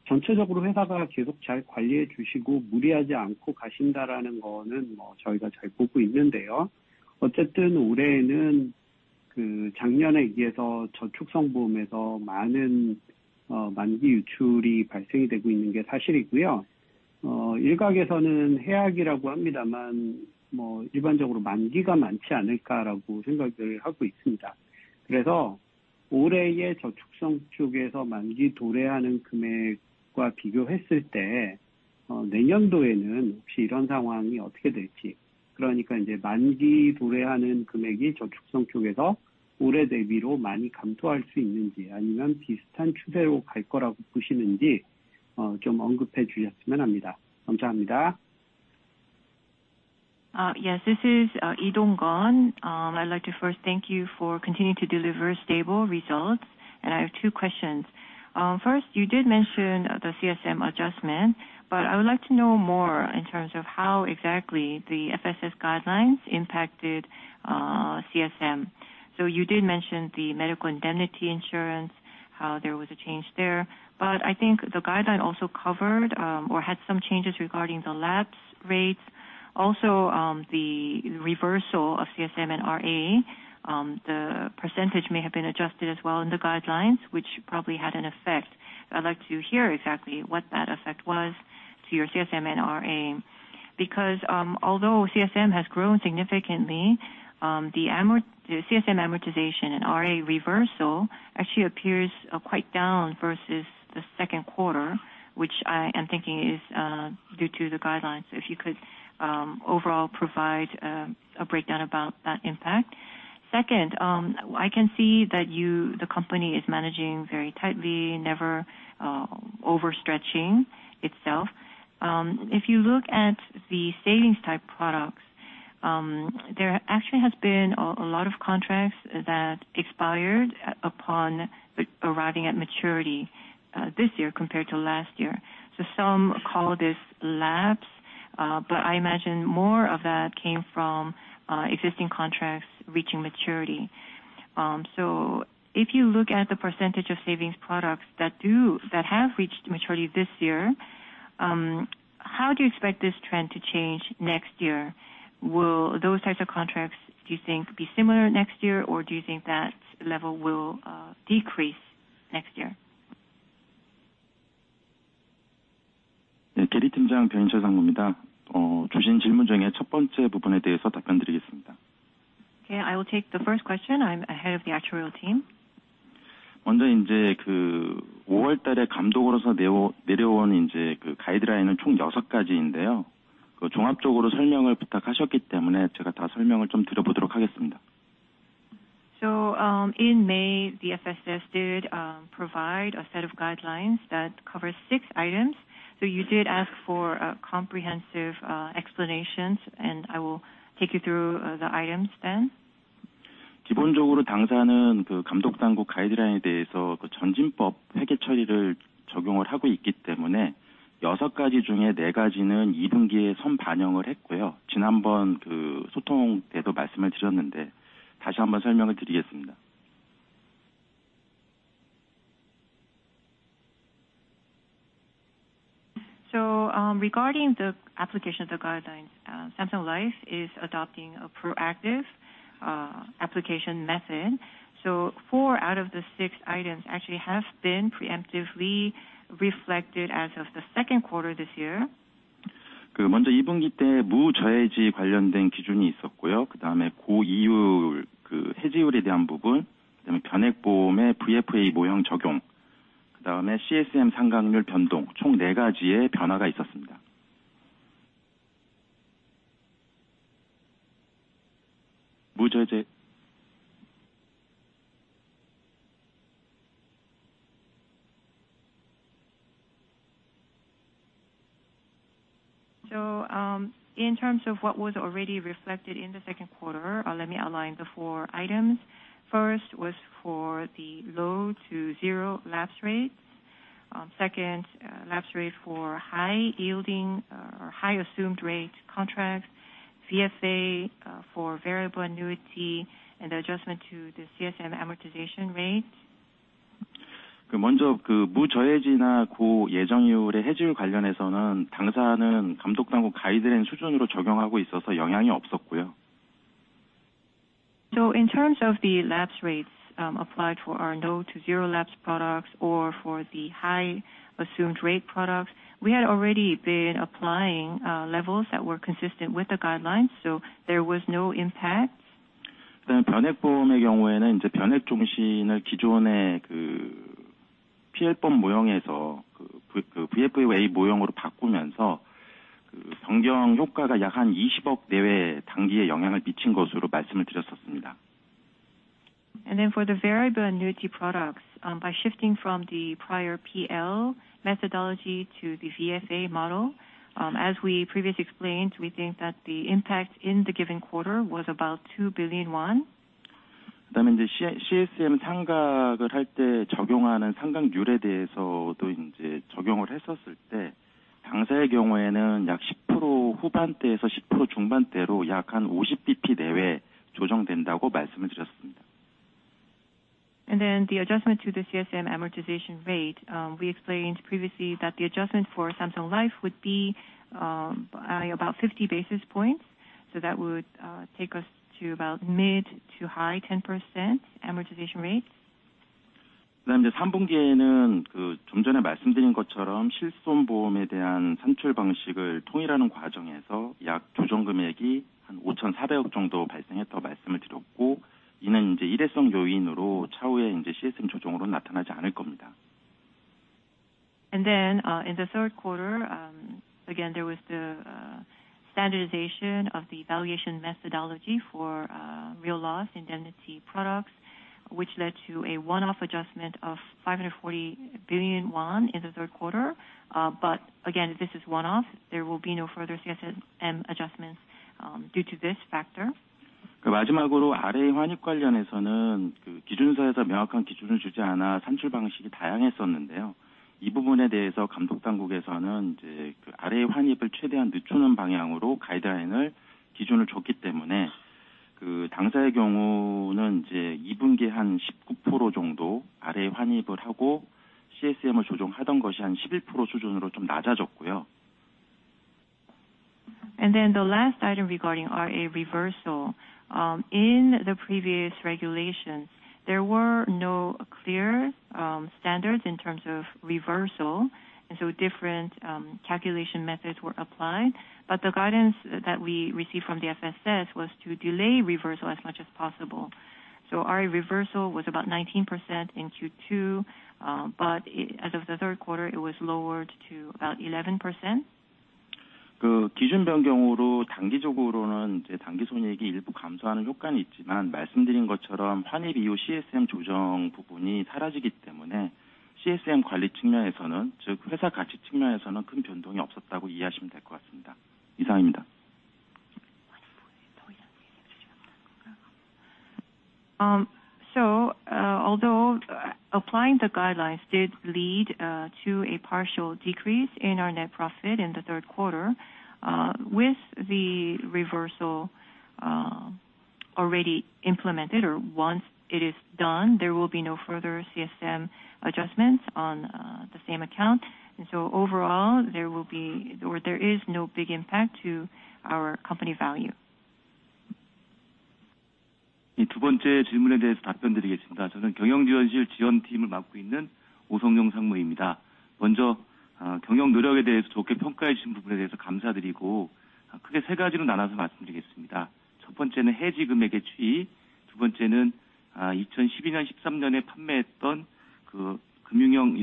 전체적으로 회사가 계속 잘 관리해 주시고 무리하지 않고 가신다라는 거는 뭐 저희가 잘 보고 있는데요. 어쨌든 올해에는 그 작년에 이어서 저축성 보험에서 많은 만기 유출이 발생이 되고 있는 게 사실이고요. 일각에서는 해약이라고 합니다만, 뭐 일반적으로 만기가 많지 않을까라고 생각을 하고 있습니다. 그래서 올해의 저축성 쪽에서 만기 도래하는 금액과 비교했을 때, 내년도에는 혹시 이런 상황이 어떻게 될지? 그러니까 이제 만기 도래하는 금액이 저축성 쪽에서 올해 대비로 많이 감소할 수 있는지, 아니면 비슷한 추세로 갈 거라고 보시는지, 좀 언급해 주셨으면 합니다. 감사합니다. Yes, this is Byung-gun Lee. I'd like to first thank you for continuing to deliver stable results, and I have two questions. First, you did mention the CSM adjustment, but I would like to know more in terms of how exactly the FSS guidelines impacted CSM. So you did mention the medical indemnity insurance, how there was a change there. But I think the guideline also covered or had some changes regarding the lapse rates. Also, the reversal of CSM and RA, the percentage may have been adjusted as well in the guidelines, which probably had an effect. I'd like to hear exactly what that effect was to your CSM and RA, because, although CSM has grown significantly, the CSM amortization and RA reversal actually appears, quite down versus the second quarter, which I am thinking is, due to the guidelines. So if you could, overall provide, a breakdown about that impact. Second, I can see that you, the company, is managing very tightly, never, overstretching itself. If you look at the savings type products, there actually has been a lot of contracts that expired upon arriving at maturity, this year compared to last year. So some call this lapse, but I imagine more of that came from, existing contracts reaching maturity. So if you look at the percentage of savings products that have reached maturity this year, how do you expect this trend to change next year? Will those types of contracts, do you think, be similar next year, or do you think that level will decrease next year? 네, 개리 팀장 변인철 상무입니다. 주신 질문 중에 첫 번째 부분에 대해서 답변드리겠습니다. Okay, I will take the first question. I'm the Head of the Actuarial team. 먼저 이제 그 오월 달에 감독으로서 내려온 이제 그 가이드라인은 총 여섯 가지인데요. 그 종합적으로 설명을 부탁하셨기 때문에 제가 다 설명을 좀 드려보도록 하겠습니다. In May, the FSS did provide a set of guidelines that covers six items. You did ask for comprehensive explanations, and I will take you through the items then. 기본적으로 당사는 그 감독 당국 가이드라인에 대해서 그 IFRS 회계처리를 적용을 하고 있기 때문에 여섯 가지 중에 네 가지는 이 분기에 선반영을 했고요. 지난번 그 소통 때도 말씀을 드렸는데, 다시 한번 설명을 드리겠습니다. So, regarding the application of the guidelines, Samsung Life is adopting a proactive application method. So four out of the six items actually have been preemptively reflected as of the second quarter this year. So, in terms of what was already reflected in the second quarter, let me outline the four items. First, was for the low-to-zero lapse rate. Second, lapse rate for high yielding or high assumed rate contracts, VFA for variable annuity, and the adjustment to the CSM amortization rate. So in terms of the lapse rates, applied for our low to zero lapse products or for the high assumed rate products, we had already been applying levels that were consistent with the guidelines, so there was no impact. For the variable annuity products, by shifting from the prior PL methodology to the VFA model, as we previously explained, we think that the impact in the given quarter was about KRW 2 billion. The adjustment to the CSM amortization rate, we explained previously that the adjustment for Samsung Life would be about 50 basis points, so that would take us to about mid- to high-10% amortization rate. In the third quarter, again, there was the standardization of the valuation methodology for real loss indemnity products, which led to a one-off adjustment of KRW 540 billion in the third quarter. But again, this is one-off. There will be no further CSM adjustments due to this factor. The last item regarding our reversal. In the previous regulations, there were no clear standards in terms of reversal, and so different calculation methods were applied. But the guidance that we received from the FSS was to delay reversal as much as possible. So our reversal was about 19% in Q2, but as of the third quarter, it was lowered to about 11%. So, although applying the guidelines did lead to a partial decrease in our net profit in the third quarter, with the reversal already implemented, or once it is done, there will be no further CSM adjustments on the same account. And so overall there will be, or there is no big impact to our company value.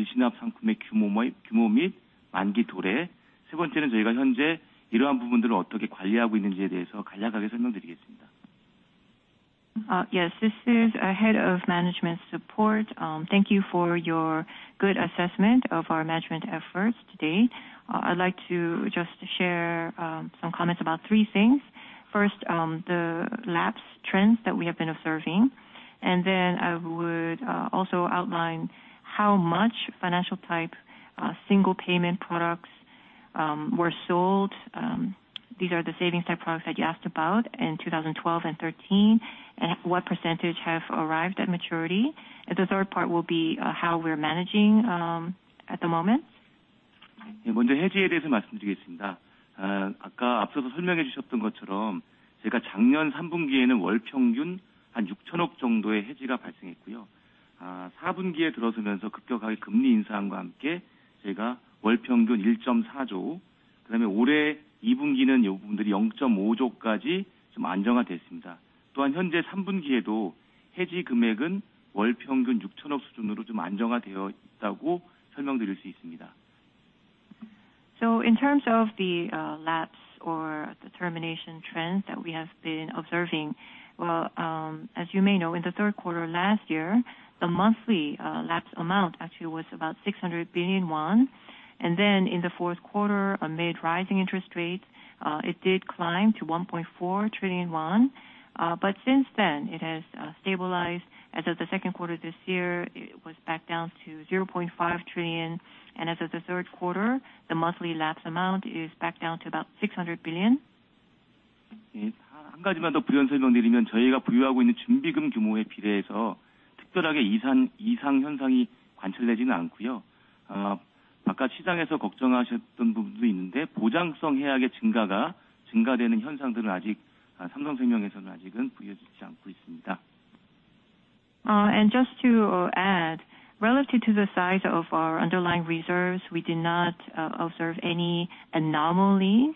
Yes, this is our Head of Management Support. Thank you for your good assessment of our management efforts today. I'd like to just share some comments about three things. First, the lapse trends that we have been observing, and then I would also outline how much financial type single payment products were sold, these are the savings type products that you asked about in 2012 and 2013, and what percentage have arrived at maturity? The third part will be how we're managing at the moment. So in terms of the lapse or the termination trends that we have been observing, well, as you may know, in the third quarter last year, the monthly lapse amount actually was about 600 billion won. Then in the fourth quarter, amid rising interest rates, it did climb to 1.4 trillion won. But since then it has stabilized. As of the second quarter this year, it was back down to 0.5 trillion, and as of the third quarter, the monthly lapse amount is back down to about 600 billion. Just to add, relative to the size of our underlying reserves, we did not observe any anomalies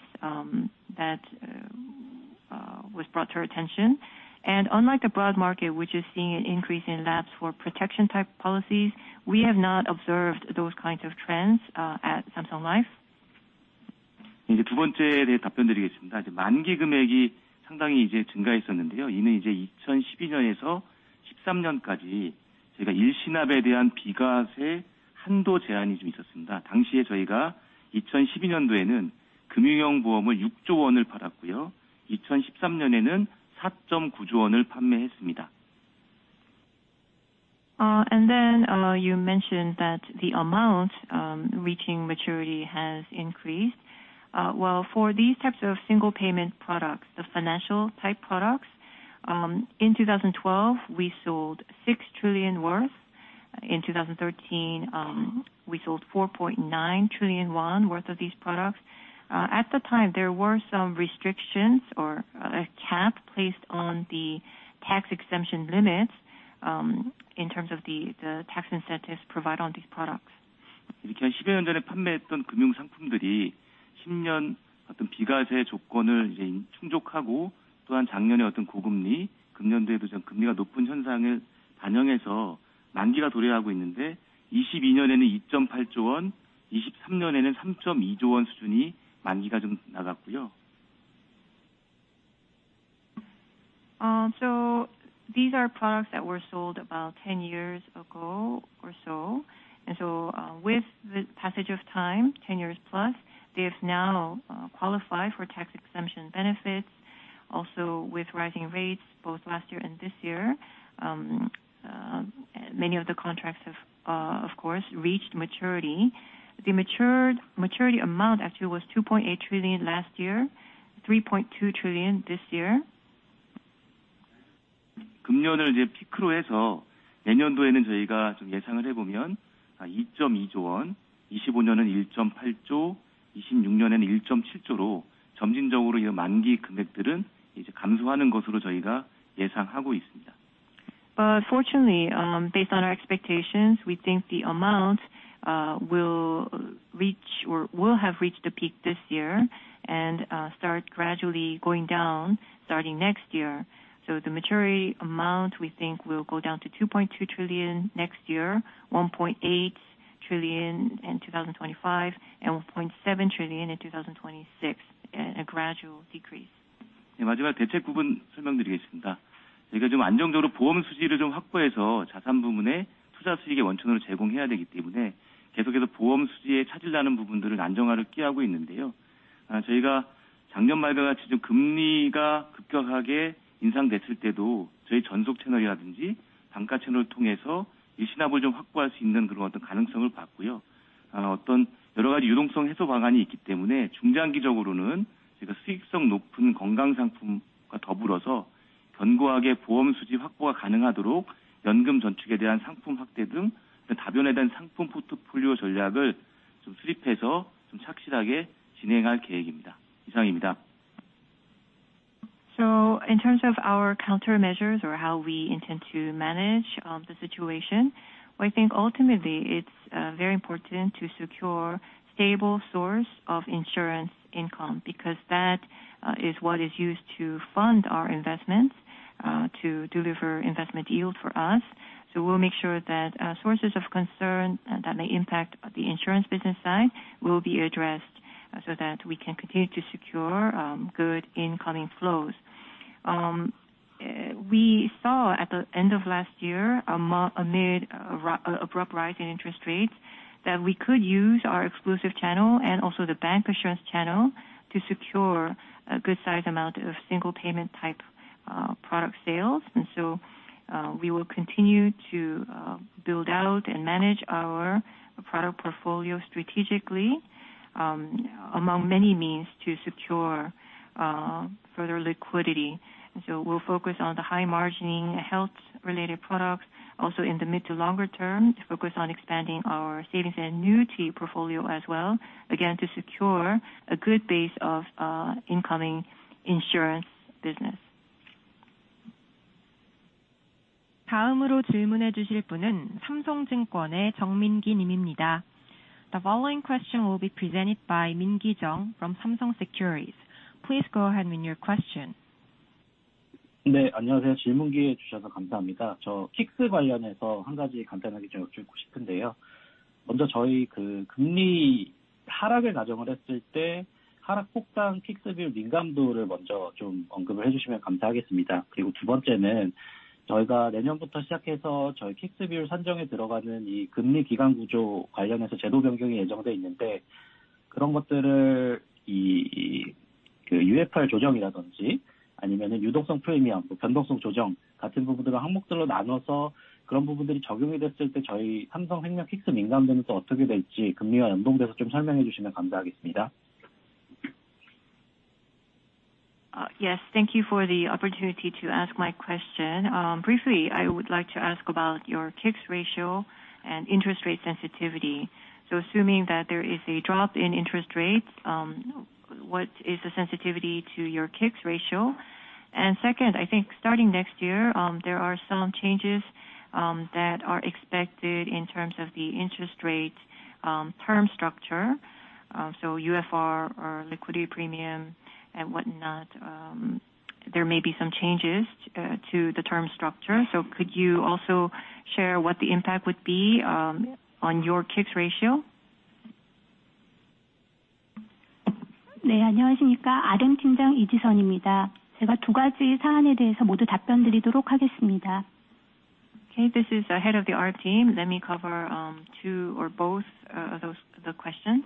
that was brought to our attention. Unlike the broad market, which is seeing an increase in lapse for protection type policies, we have not observed those kinds of trends at Samsung Life. Then, you mentioned that the amount reaching maturity has increased. Well, for these types of single payment products, the financial type products, in 2012, we sold 6 trillion. In 2013, we sold 4.9 trillion won worth of these products. At the time, there were some restrictions or a cap placed on the tax exemption limits in terms of the tax incentives provided on these products. So these are products that were sold about 10 years ago or so and so, with the passage of time, 10+ years, they have now qualified for tax exemption benefits. Also, with rising rates both last year and this year, many of the contracts have, of course, reached maturity. The maturity amount actually was 2.8 trillion last year, 3.2 trillion this year. But fortunately, based on our expectations, we think the amount will reach or will have reached the peak this year and start gradually going down starting next year. So the maturity amount, we think, will go down to KRW 2.2 trillion next year, KRW 1.8 trillion in 2025, and KRW 1.7 trillion in 2026, a gradual decrease. So in terms of our countermeasures or how we intend to manage the situation, I think ultimately it's very important to secure stable source of insurance income, because that is what is used to fund our investments, to deliver investment yield for us. So we'll make sure that sources of concern that may impact the Insurance business side will be addressed so that we can continue to secure good incoming flows. We saw at the end of last year, amid an abrupt rise in interest rates, that we could use our exclusive channel and also the bank insurance channel to secure a good size amount of single payment type products, product sales. So we will continue to build out and manage our product portfolio strategically, among many means to secure further liquidity. We'll focus on the high margining health related products, also in the mid to longer term, to focus on expanding our savings and new tea portfolio as well, again, to secure a good base of incoming Insurance business. The following question will be presented by Mingi Jeong from Samsung Securities. Please go ahead with your question. Yes, thank you for the opportunity to ask my question. Briefly, I would like to ask about your K-ICS ratio and interest rate sensitivity. So assuming that there is a drop in interest rates, what is the sensitivity to your K-ICS ratio? And second, I think starting next year, there are some changes that are expected in terms of the interest rate term structure. So UFR or liquidity premium and whatnot, there may be some changes to the term structure. So could you also share what the impact would be on your K-ICS ratio? Okay, this is the Head of the RM team. Let me cover two or both of those questions.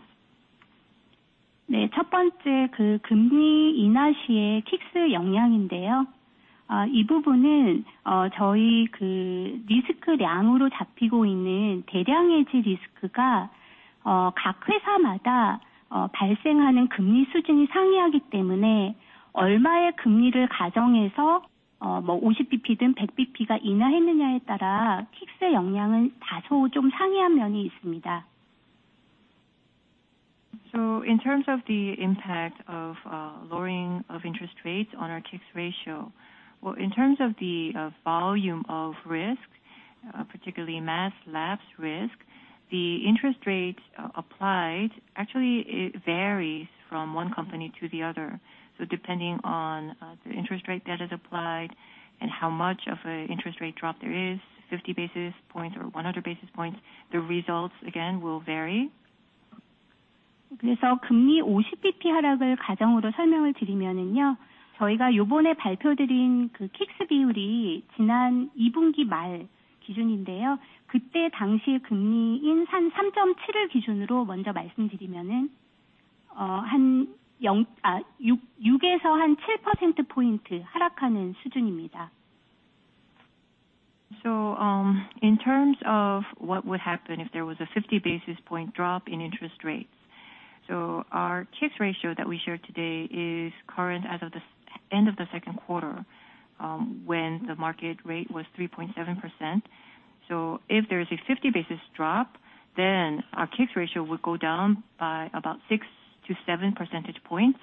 So in terms of the impact of lowering of interest rates on our K-ICS ratio, well, in terms of the volume of risk, particularly mass lapse risk, the interest rates applied, actually it varies from one company to the other. So depending on the interest rate that is applied and how much of an interest rate drop there is, 50 basis points or 100 basis points, the results again, will vary. So, in terms of what would happen if there was a 50 basis point drop in interest rates, so our K-ICS ratio that we shared today is current as of the end of the second quarter, when the market rate was 3.7%. So if there is a 50 basis drop, then our K-ICS ratio would go down by about 6-7 percentage points.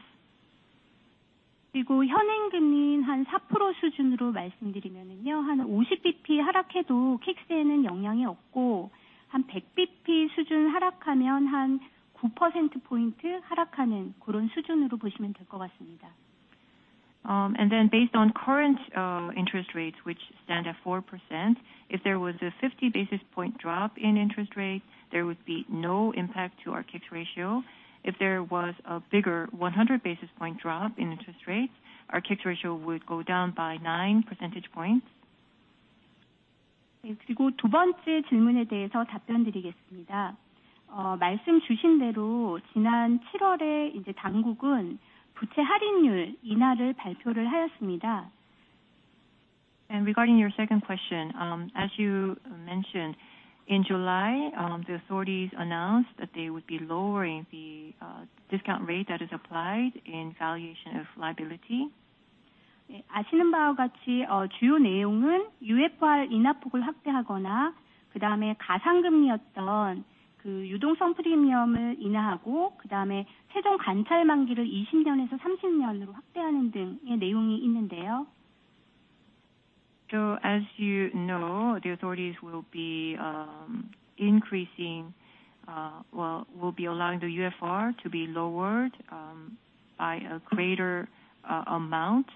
Then based on current, interest rates, which stand at 4%, if there was a 50 basis point drop in interest rates, there would be no impact to our K-ICS ratio. If there was a bigger 100 basis point drop in interest rates, our K-ICS ratio would go down by 9 percentage points. Regarding your second question, as you mentioned, in July, the authorities announced that they would be lowering the, discount rate that is applied in valuation of liability. So as you know, the authorities will be, increasing, well, will be allowing the UFR to be lowered, by a greater, amount,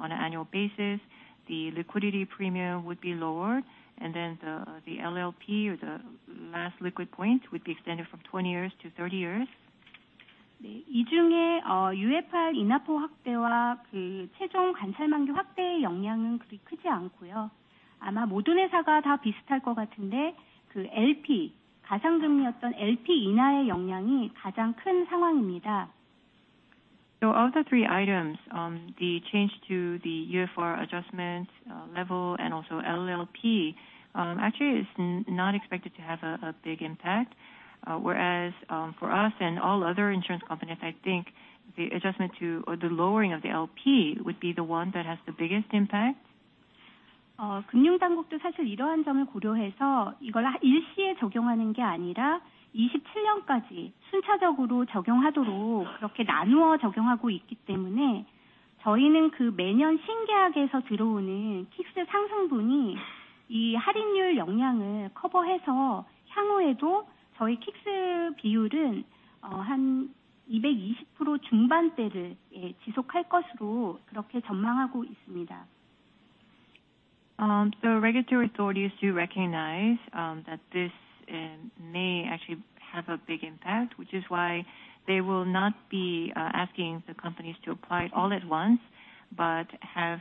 on an annual basis. The liquidity premium would be lower, and then the, the LLP or the last liquid point, would be extended from 20 years to 30 years. So of the three items, the change to the UFR adjustment level and also LLP actually is not expected to have a big impact. Whereas, for us and all other insurance companies, I think the adjustment to or the lowering of the LP would be the one that has the biggest impact. So regulatory authorities do recognize that this may actually have a big impact, which is why they will not be asking the companies to apply it all at once, but have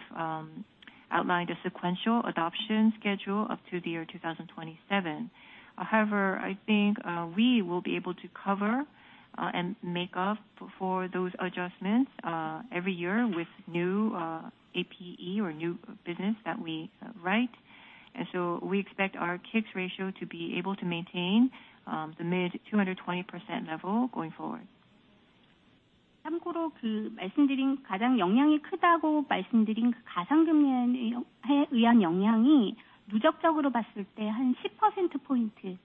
outlined a sequential adoption schedule up to the year 2027. However, I think we will be able to cover and make up for those adjustments every year with new APE or new business that we write. So we expect our K-ICS ratio to be able to maintain the mid-220% level going forward. Just lastly, on a cumulative basis, we think that the lowering of the liquidity premium will have a cumulative effect of lowering our K-ICS ratio by 10 percentage points.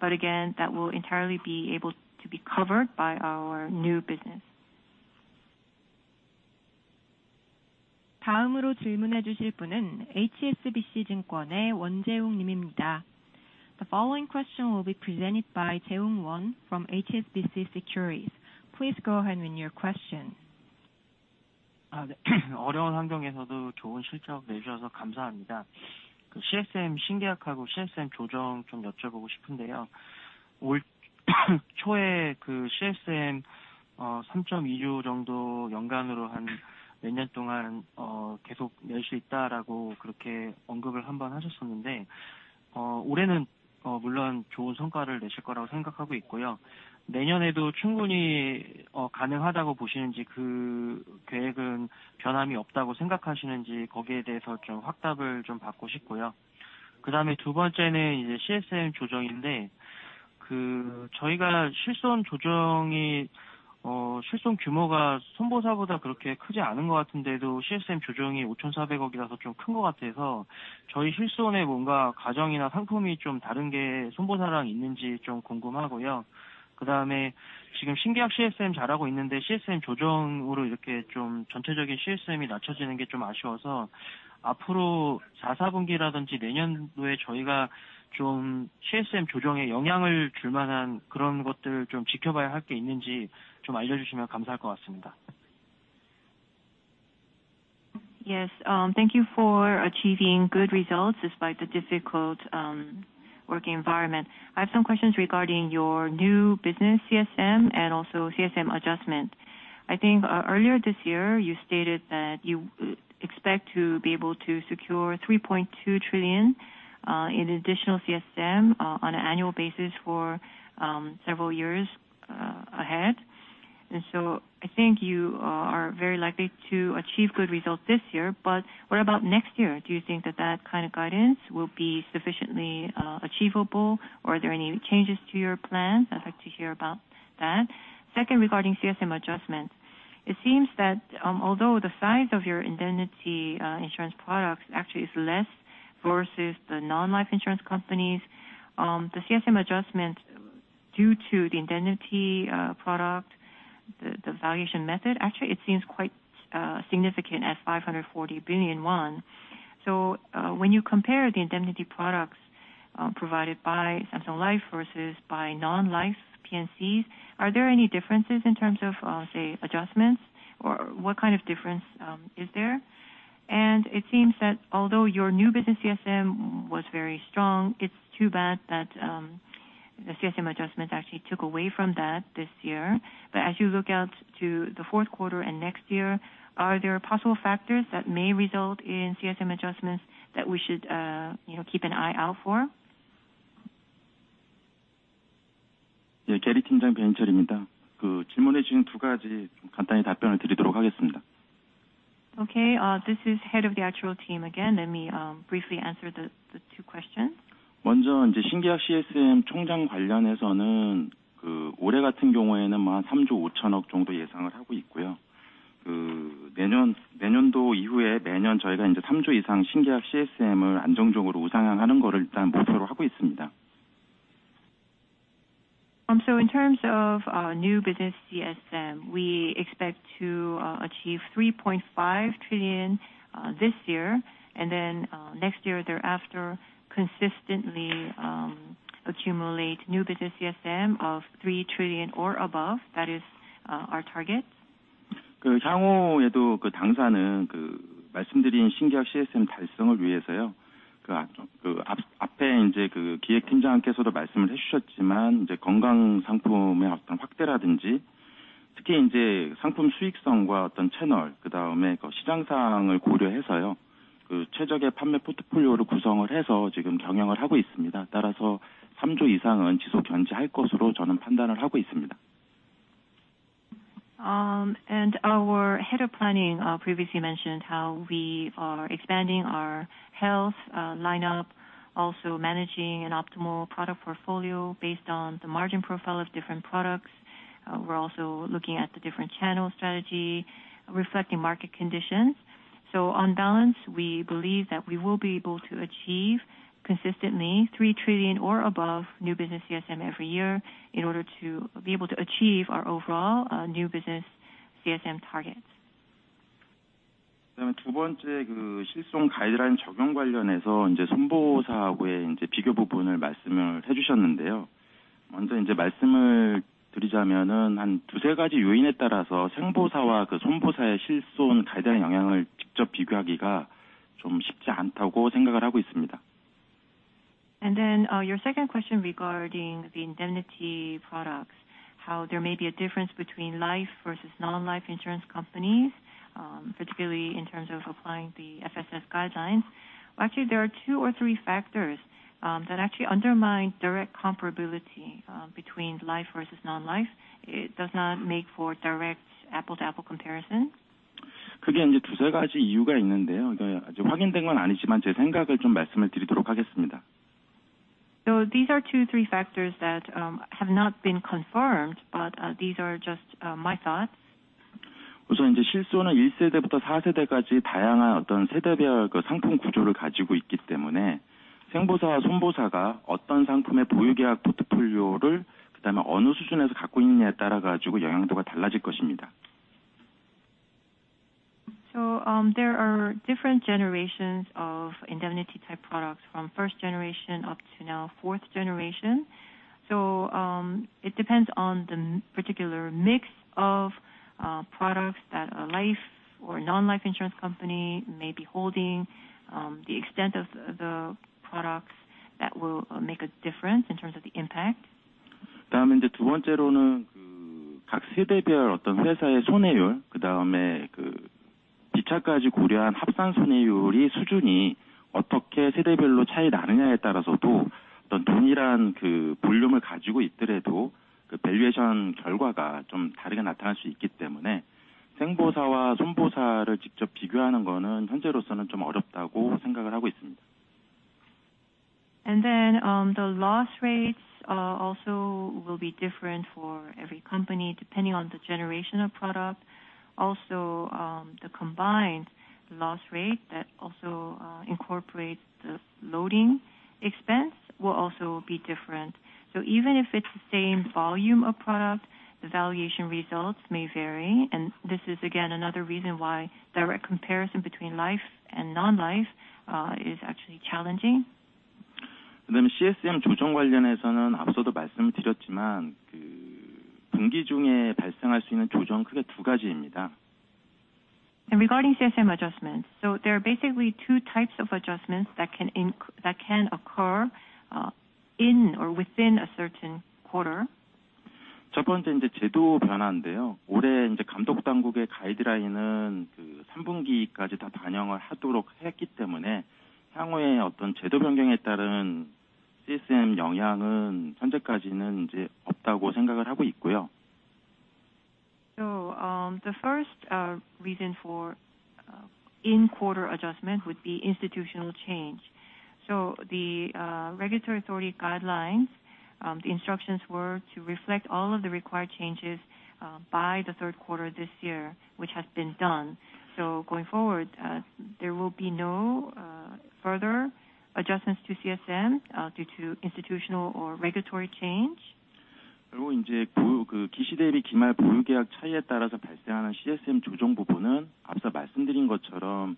But again, that will entirely be able to be covered by our new business. The following question will be presented by Jaewoong Won from HSBC Securities. Please go ahead with your question. CSM. Yes. Thank you for achieving good results despite the difficult working environment. I have some questions regarding your new business CSM and also CSM adjustment. I think, earlier this year, you stated that you expect to be able to secure KRW 3.2 trillion in additional CSM on an annual basis for several years ahead. And so I think you are very likely to achieve good results this year, but what about next year? Do you think that that kind of guidance will be sufficiently achievable, or are there any changes to your plans? I'd like to hear about that. Second, regarding CSM adjustments, it seems that, although the size of your indemnity insurance products actually is less versus the non-life insurance companies, the CSM adjustment due to the indemnity product, the valuation method, actually it seems quite significant at 540 billion won. So, when you compare the indemnity products provided by Samsung Life versus by non-life P&Cs, are there any differences in terms of, say, adjustments, or what kind of difference is there? And it seems that although your new business CSM was very strong, it's too bad that the CSM adjustment actually took away from that this year. But as you look out to the fourth quarter and next year, are there possible factors that may result in CSM adjustments that we should, you know, keep an eye out for? Yeah, Gary. Okay, this is Head of the Actuary team again. Let me briefly answer the two questions. So in terms of new business CSM, we expect to achieve KRW 3.5 trillion this year, and then next year thereafter, consistently accumulate new business CSM of KRW 3 trillion or above. That is our target.... 그 향후에도 그 당사는 그 말씀드린 신규 CSM 달성을 위해서요. 앞에 이제 그 기획팀장께서도 말씀을 해주셨지만, 이제 건강 상품의 어떤 확대라든지, 특히 이제 상품 수익성과 어떤 채널, 그다음에 시장 상황을 고려해서요, 그 최적의 판매 포트폴리오를 구성을 해서 지금 경영을 하고 있습니다. 따라서 3 trillion 이상은 지속 견지할 것으로 저는 판단을 하고 있습니다. Our Head of Planning previously mentioned how we are expanding our health lineup, also managing an optimal product portfolio based on the margin profile of different products. We're also looking at the different channel strategy, reflecting market conditions. So on balance, we believe that we will be able to achieve consistently 3 trillion or above new business CSM every year in order to be able to achieve our overall new business CSM targets. 그 다음에 두 번째, 그 실손 가이드라인 적용 관련해서 이제 손보사하고의 이제 비교 부분을 말씀을 해주셨는데요. 먼저 이제 말씀을 드리자면은 한 두, 세 가지 요인에 따라서 생보사와 그 손보사의 실손 가이드라인 영향을 직접 비교하기가 좀 쉽지 않다고 생각을 하고 있습니다. Then, your second question regarding the indemnity products, how there may be a difference between life versus non-life insurance companies, particularly in terms of applying the FSS guidelines. Actually, there are two or three factors, that actually undermine direct comparability, between life versus non-life. It does not make for direct apples-to-apples comparison. 그게 이제 두, 세 가지 이유가 있는데요. 그 아직 확인된 건 아니지만, 제 생각을 좀 말씀을 드리도록 하겠습니다. So these are two, three factors that have not been confirmed, but these are just my thoughts. 우선 이제 실손은 일 세대부터 사 세대까지 다양한 어떤 세대별 그 상품 구조를 가지고 있기 때문에, 생보사와 손보사가 어떤 상품의 보유 계약 포트폴리오를, 그다음에 어느 수준에서 갖고 있느냐에 따라 가지고 영향도가 달라질 것입니다. So, there are different generations of indemnity type products from first generation up to now, fourth generation. So, it depends on the particular mix of products that a life or non-life insurance company may be holding. The extent of the products that will make a difference in terms of the impact. 그 다음에 이제 두 번째로는, 그각 세대별 어떤 회사의 손해율, 그 다음에 그 기간까지 고려한 합산 손해율이 수준이 어떻게 세대별로 차이 나느냐에 따라서도 어떤 동일한 그 볼륨을 가지고 있더라도, 그 밸류에이션 결과가 좀 다르게 나타날 수 있기 때문에 생보사와 손보사를 직접 비교하는 거는 현재로서는 좀 어렵다고 생각을 하고 있습니다. Then, the loss rates also will be different for every company, depending on the generation of product. Also, the combined loss rate that also incorporates the loading expense will also be different. So even if it's the same volume of product, the valuation results may vary, and this is again, another reason why direct comparison between life and non-life is actually challenging. 그다음에 CSM 조정 관련해서는 앞서도 말씀을 드렸지만, 그 분기 중에 발생할 수 있는 조정은 크게 두 가지입니다. Regarding CSM adjustments, so there are basically two types of adjustments that can that can occur in or within a certain quarter. 첫 번째, 이제 제도 변화인데요. 올해 이제 감독당국의 가이드라인은 그삼 분기까지 다 반영을 하도록 했기 때문에, 향후에 어떤 제도 변경에 따른 CSM 영향은 현재까지는 이제 없다고 생각을 하고 있고요. So, the first reason for in quarter adjustment would be institutional change. So the regulatory authority guidelines, the instructions were to reflect all of the required changes by the third quarter this year, which has been done. So going forward, there will be no further adjustments to CSM due to institutional or regulatory change. 그리고 이제 그 기시 대비 기말 보유 계약 차이에 따라서 발생하는 CSM 조정 부분은 앞서 말씀드린 것처럼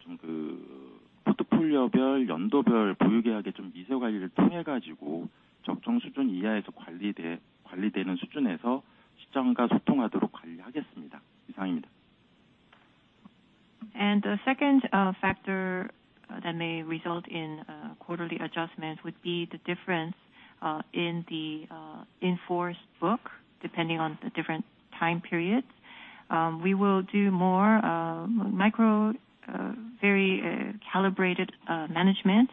좀그 포트폴리오별, 연도별 보유 계약의 좀 미세 관리를 통해 가지고 적정 수준 이하에서 관리되, 관리되는 수준에서 시장과 소통하도록 관리하겠습니다. 이상입니다. The second factor that may result in quarterly adjustments would be the difference in the in-force book, depending on the different time periods. We will do more micro very calibrated management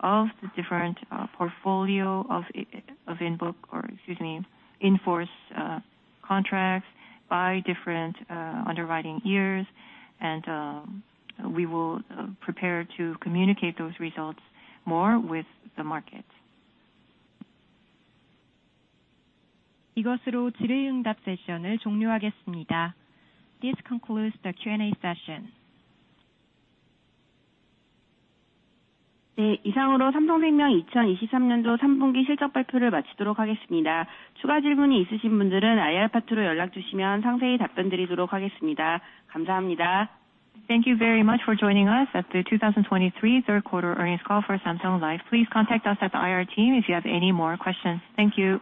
of the different portfolio of in-book, or excuse me, in-force contracts by different underwriting years. We will prepare to communicate those results more with the market. 이것으로 질의응답 세션을 종료하겠습니다. This concludes the Q&A session. 네, 이상으로 삼성생명 2023년도 3분기 실적 발표를 마치도록 하겠습니다. 추가 질문이 있으신 분들은 IR 파트로 연락 주시면 상세히 답변드리도록 하겠습니다. 감사합니다. Thank you very much for joining us at the 2023 third quarter earnings call for Samsung Life. Please contact us at the IR team if you have any more questions. Thank you.